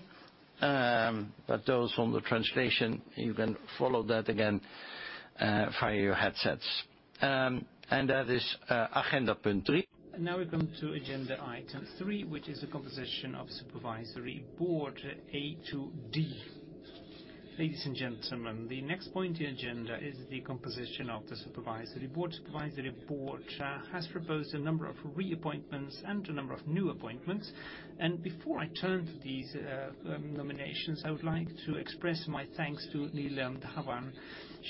but those on the translation, you can follow that again via your headsets. That is agenda punt drie. Now we come to agenda item three, which is the composition of the Supervisory Board, A to D. Ladies and gentlemen, the next point in agenda is the composition of the Supervisory Board. The Supervisory Board has proposed a number of reappointments and a number of new appointments. Before I turn to these nominations, I would like to express my thanks to Neelam Dhawan.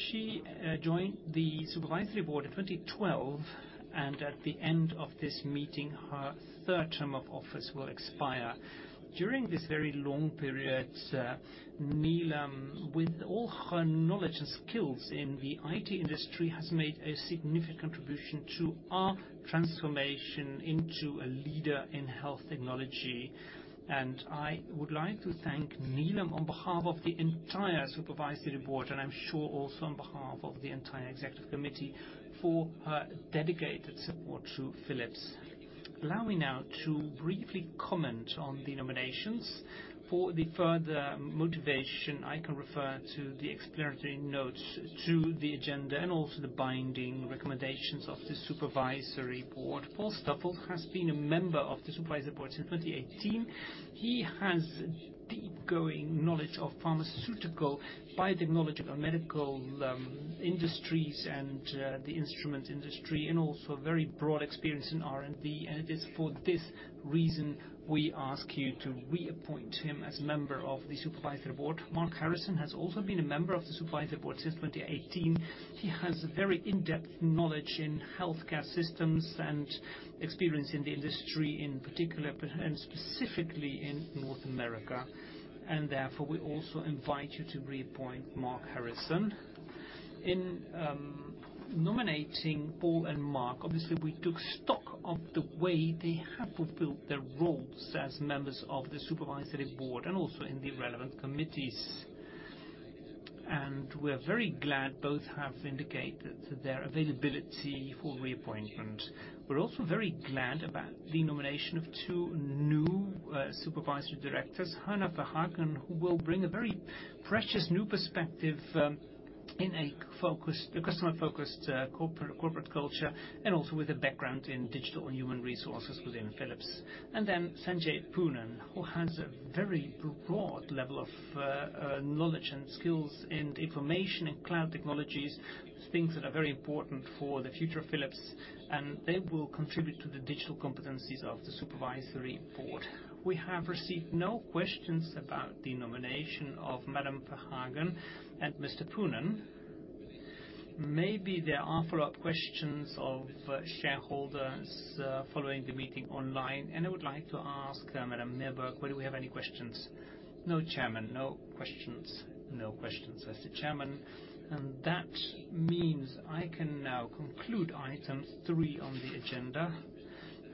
She joined the Supervisory Board in 2012, and at the end of this meeting, her third term of office will expire. During this very long period, Neelam, with all her knowledge and skills in the IT industry, has made a significant contribution to our transformation into a leader in health technology. I would like to thank Neelam on behalf of the entire Supervisory Board, and I'm sure also on behalf of the entire Executive Committee, for her dedicated support to Philips. Allow me now to briefly comment on the nominations. For the further motivation, I can refer to the explanatory notes to the agenda and also the binding recommendations of the Supervisory Board. Paul Stoffels has been a member of the Supervisory Board since 2018. He has deep-going knowledge of pharmaceutical, biotechnology, or medical industries and the instrument industry, and also very broad experience in R&D. It is for this reason we ask you to reappoint him as member of the Supervisory Board. Marc Harrison has also been a member of the Supervisory Board since 2018. He has a very in-depth knowledge in healthcare systems and experience in the industry, in particular. Specifically in North America. Therefore, we also invite you to reappoint Marc Harrison. In nominating Paul and Marc, obviously, we took stock of the way they have fulfilled their roles as members of the Supervisory Board and also in the relevant committees. We're very glad both have indicated their availability for reappointment. We're also very glad about the nomination of two new supervisory directors. Herna Verhagen, who will bring a very precious new perspective in a customer-focused corporate culture, and also with a background in digital and human resources within Philips. Then Sanjay Poonen, who has a very broad level of knowledge and skills in information and cloud technologies, things that are very important for the future of Philips, and they will contribute to the digital competencies of the Supervisory Board. We have received no questions about the nomination of Ms. Herna Verhagen and Mr. Sanjay Poonen. Maybe there are follow-up questions of shareholders following the meeting online. I would like to ask Ms. Evers Whether we have any questions. No, Chairman, no questions. No questions, Mr. Chairman. That means I can now conclude item three on the agenda,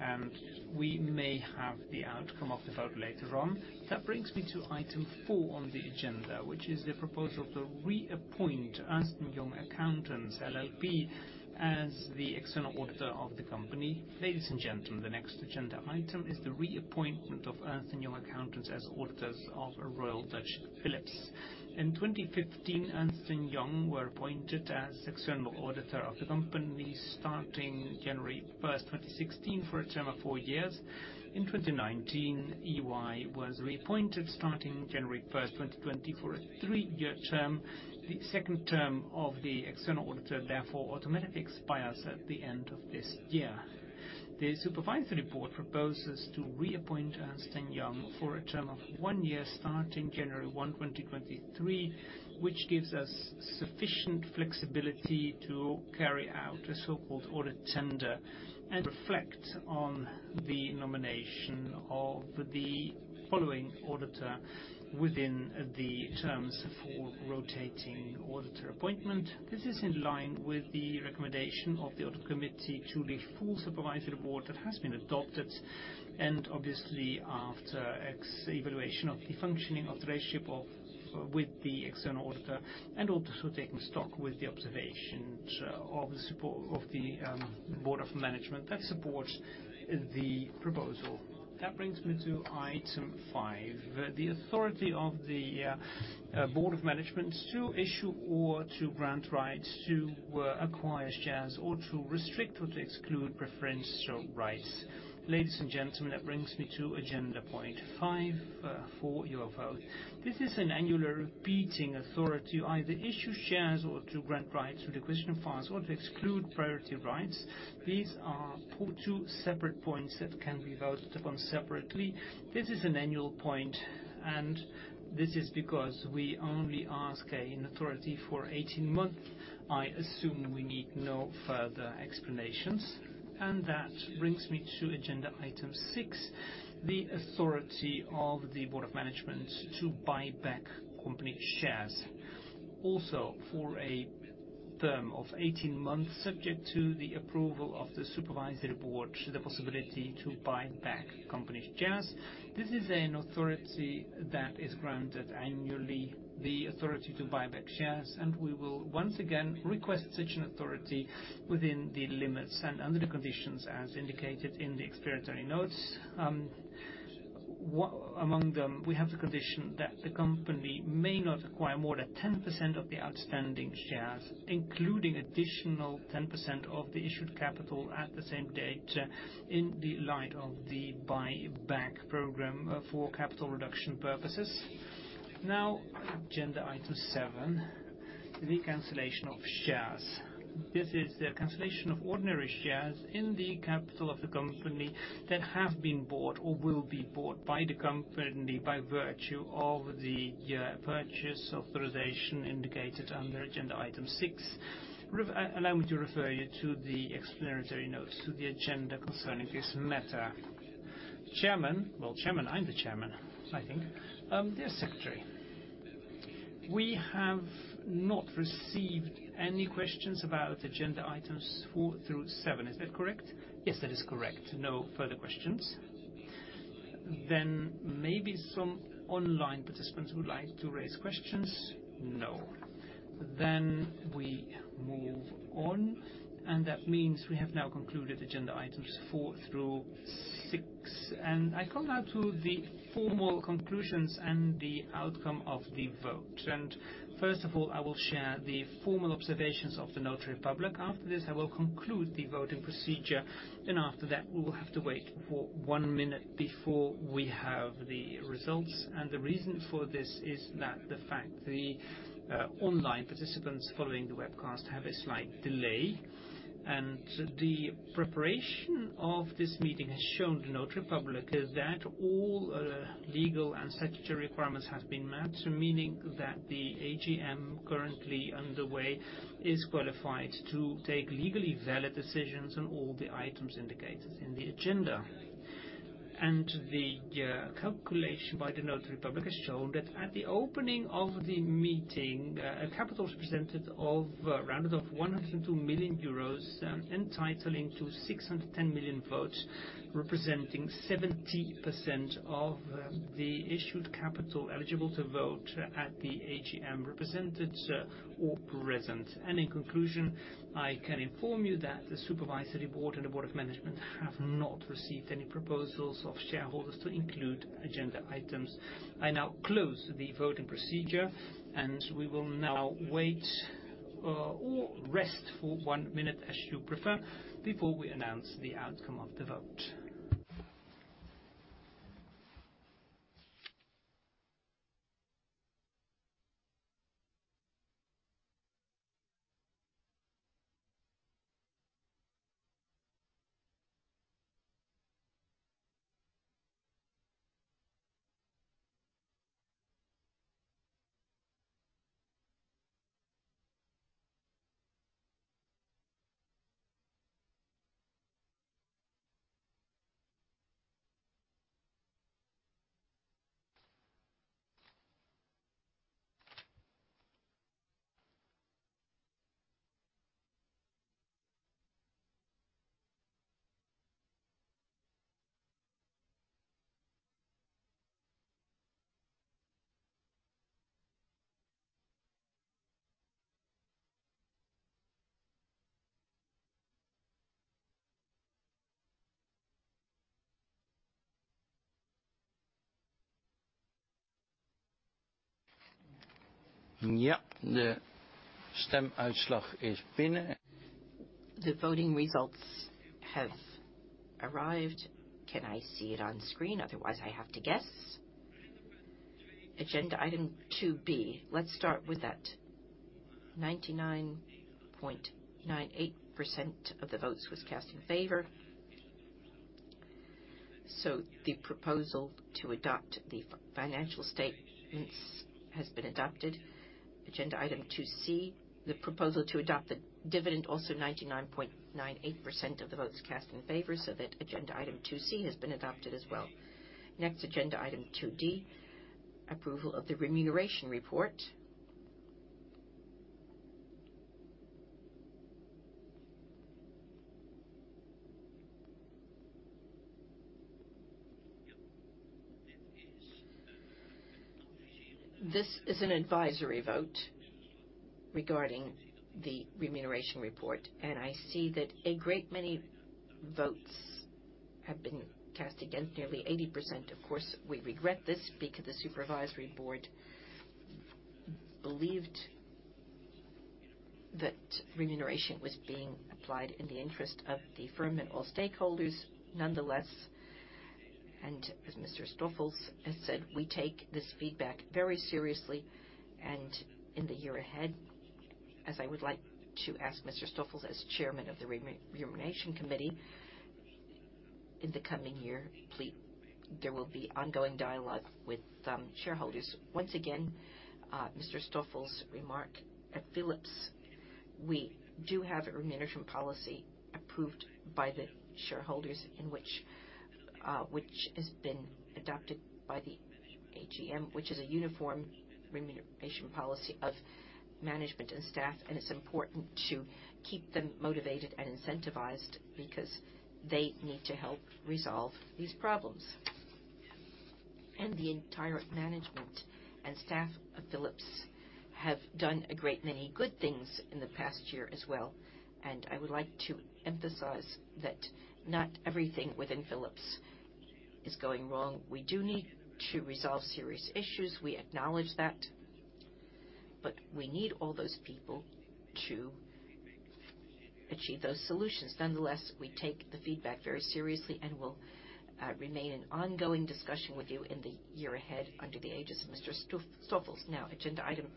and we may have the outcome of the vote later on. That brings me to item four on the agenda, which is the proposal to reappoint Ernst & Young Accountants LLP as the external auditor of the company. Ladies and gentlemen, the next agenda item is the reappointment of Ernst & Young Accountants as auditors of Royal Philips. In 2015, Ernst & Young were appointed as external auditor of the company starting January 1, 2016, for a term of four years. In 2019, EY was reappointed starting January 1, 2020, for a three-year term. The second term of the external auditor therefore automatically expires at the end of this year. The Supervisory Board proposes to reappoint Ernst & Young for a term of one year starting January 1, 2023, which gives us sufficient flexibility to carry out a so-called audit tender and reflect on the nomination of the following auditor within the terms for rotating auditor appointment. This is in line with the recommendation of the audit committee to the full Supervisory Board that has been adopted. Obviously, after evaluation of the functioning of the relationship of, with the external auditor, and also taking stock with the observations of the support of the Board of Management that supports the proposal. That brings me to item 5, the authority of the Board of Management to issue or to grant rights to acquire shares or to restrict or to exclude preferential rights. Ladies and gentlemen, that brings me to agenda point 5 for your vote. This is an annual repeating authority to either issue shares or to grant rights with acquisition files or to exclude priority rights. These are two separate points that can be voted upon separately. This is an annual point, and this is because we only ask an authority for 18 months. I assume we need no further explanations. That brings me to agenda item 6, the authority of the Board of Management to buy back company shares. Also for a term of 18 months, subject to the approval of the Supervisory Board, the possibility to buy back company shares. This is an authority that is granted annually, the authority to buy back shares, and we will once again request such an authority within the limits and under the conditions as indicated in the explanatory notes. Among them, we have the condition that the company may not acquire more than 10% of the outstanding shares, including additional 10% of the issued capital at the same date, in the light of the buy back program for capital reduction purposes. Now, agenda item seven, the cancellation of shares. This is the cancellation of ordinary shares in the capital of the company that have been bought or will be bought by the company by virtue of the purchase authorization indicated under agenda item six. Allow me to refer you to the explanatory notes to the agenda concerning this matter. Well, chairman, I'm the chairman, I think. Dear secretary, we have not received any questions about agenda items four through seven. Is that correct? Yes, that is correct. No further questions. Then maybe some online participants would like to raise questions. No. We move on, and that means we have now concluded agenda items four through six. I come now to the formal conclusions and the outcome of the vote. First of all, I will share the formal observations of the Notary Public. After this, I will conclude the voting procedure. After that, we will have to wait for one minute before we have the results. The reason for this is that online participants following the webcast have a slight delay. The preparation of this meeting has shown that all legal and statutory requirements have been met, meaning that the AGM currently underway is qualified to take legally valid decisions on all the items indicated in the agenda. The calculation by the Notary Public has shown that at the opening of the meeting, a capital presented of rounded off 102 million euros, entitling to 610 million votes, representing 70% of the issued capital eligible to vote at the AGM represented or present. In conclusion, I can inform you that the Supervisory Board and the Board of Management have not received any proposals of shareholders to include agenda items. I now close the voting procedure, and we will now wait or rest for 1 minute as you prefer, before we announce the outcome of the vote. Yeah. The stemuitslag is binnen. The voting results have arrived. Can I see it on screen? Otherwise, I have to guess. Agenda item 2B. Let's start with that. 99.98% of the votes was cast in favor. The proposal to adopt the financial statements has been adopted. Agenda item 2C, the proposal to adopt the dividend also 99.98% of the votes cast in favor. That agenda item 2C has been adopted as well. Next, agenda item 2D, approval of the remuneration report. This is an advisory vote regarding the remuneration report, and I see that a great many votes have been cast, again, nearly 80%. Of course, we regret this because the Supervisory Board believed that remuneration was being applied in the interest of the firm and all stakeholders. Nonetheless, and as Mr. Stoffels has said, we take this feedback very seriously. In the year ahead, as I would like to ask Mr. Stoffels as chairman of the Remuneration Committee, in the coming year, there will be ongoing dialogue with shareholders. Once again, Mr. Stoffels remarked at Philips, we do have a remuneration policy approved by the shareholders in which which has been adopted by the AGM, which is a uniform remuneration policy of management and staff. It's important to keep them motivated and incentivized because they need to help resolve these problems. The entire management and staff of Philips have done a great many good things in the past year as well. I would like to emphasize that not everything within Philips is going wrong. We do need to resolve serious issues. We acknowledge that, but we need all those people to achieve those solutions. Nonetheless, we take the feedback very seriously and will remain in ongoing discussion with you in the year ahead under the aegis of Mr. Stoffels. Now, agenda item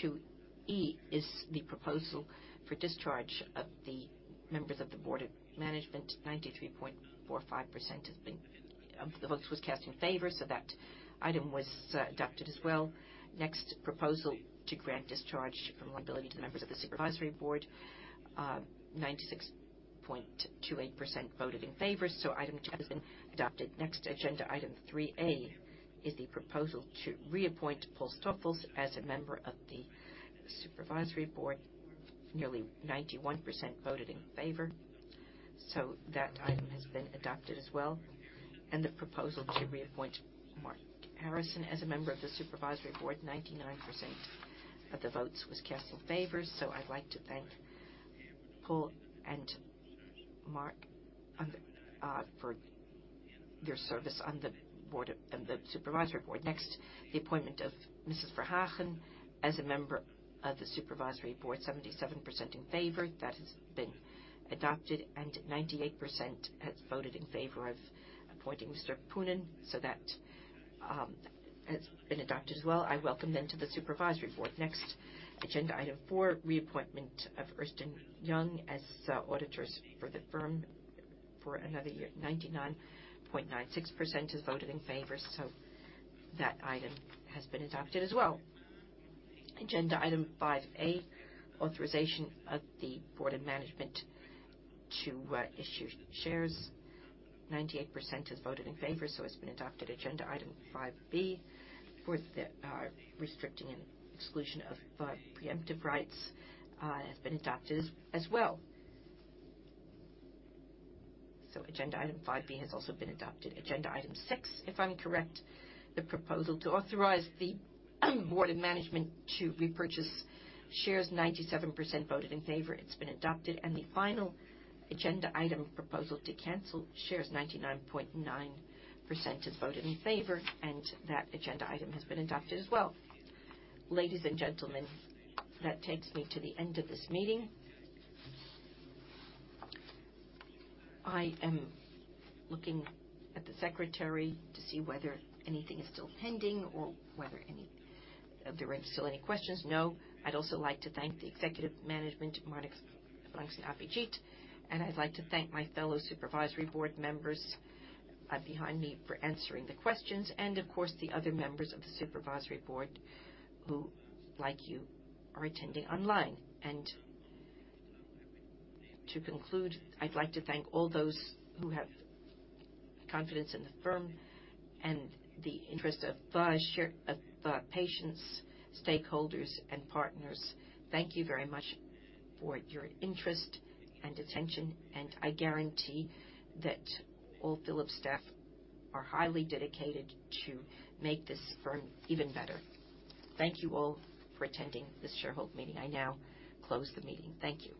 two E is the proposal for discharge of the members of the Board of Management. 93.45% of the votes was cast in favor, so that item was adopted as well. Next, proposal to grant discharge from liability to the members of the Supervisory Board, 96.28% voted in favor, so item two has been adopted. Next agenda item three A is the proposal to reappoint Paul Stoffels as a member of the Supervisory Board. Nearly 91% voted in favor, so that item has been adopted as well. The proposal to reappoint Marc Harrison as a member of the Supervisory Board, 99% of the votes was cast in favor. I'd like to thank Paul Stoffels and Marc Harrison for your service on the Supervisory Board. Next, the appointment of Herna Verhagen as a member of the Supervisory Board, 77% in favor. That has been adopted, and 98% has voted in favor of appointing Sanjay Poonen. That has been adopted as well. I welcome them to the Supervisory Board. Next, agenda item four, reappointment of Ernst & Young as auditors for the firm for another year. 99.96% has voted in favor, so that item has been adopted as well. Agenda item 5A, authorization of the Board of Management to issue shares. 98% has voted in favor, so it's been adopted. Agenda item 5B, for the restricting and exclusion of preemptive rights, has been adopted as well. Agenda item 5B has also been adopted. Agenda item 6, if I'm correct, the proposal to authorize the Board of Management to repurchase shares. 97% voted in favor. It's been adopted. The final agenda item, proposal to cancel shares. 99.9% has voted in favor, and that agenda item has been adopted as well. Ladies and gentlemen, that takes me to the end of this meeting. I am looking at the secretary to see whether anything is still pending or if there are still any questions. No. I'd also like to thank the executive management, Marnix van Ginneken, Abhijit, and I'd like to thank my fellow Supervisory Board members behind me for answering the questions and, of course, the other members of the Supervisory Board who, like you, are attending online. To conclude, I'd like to thank all those who have confidence in the firm and the interest of the shareholders, patients, stakeholders, and partners. Thank you very much for your interest and attention, and I guarantee that all Philips staff are highly dedicated to make this firm even better. Thank you all for attending this shareholder meeting. I now close the meeting. Thank you.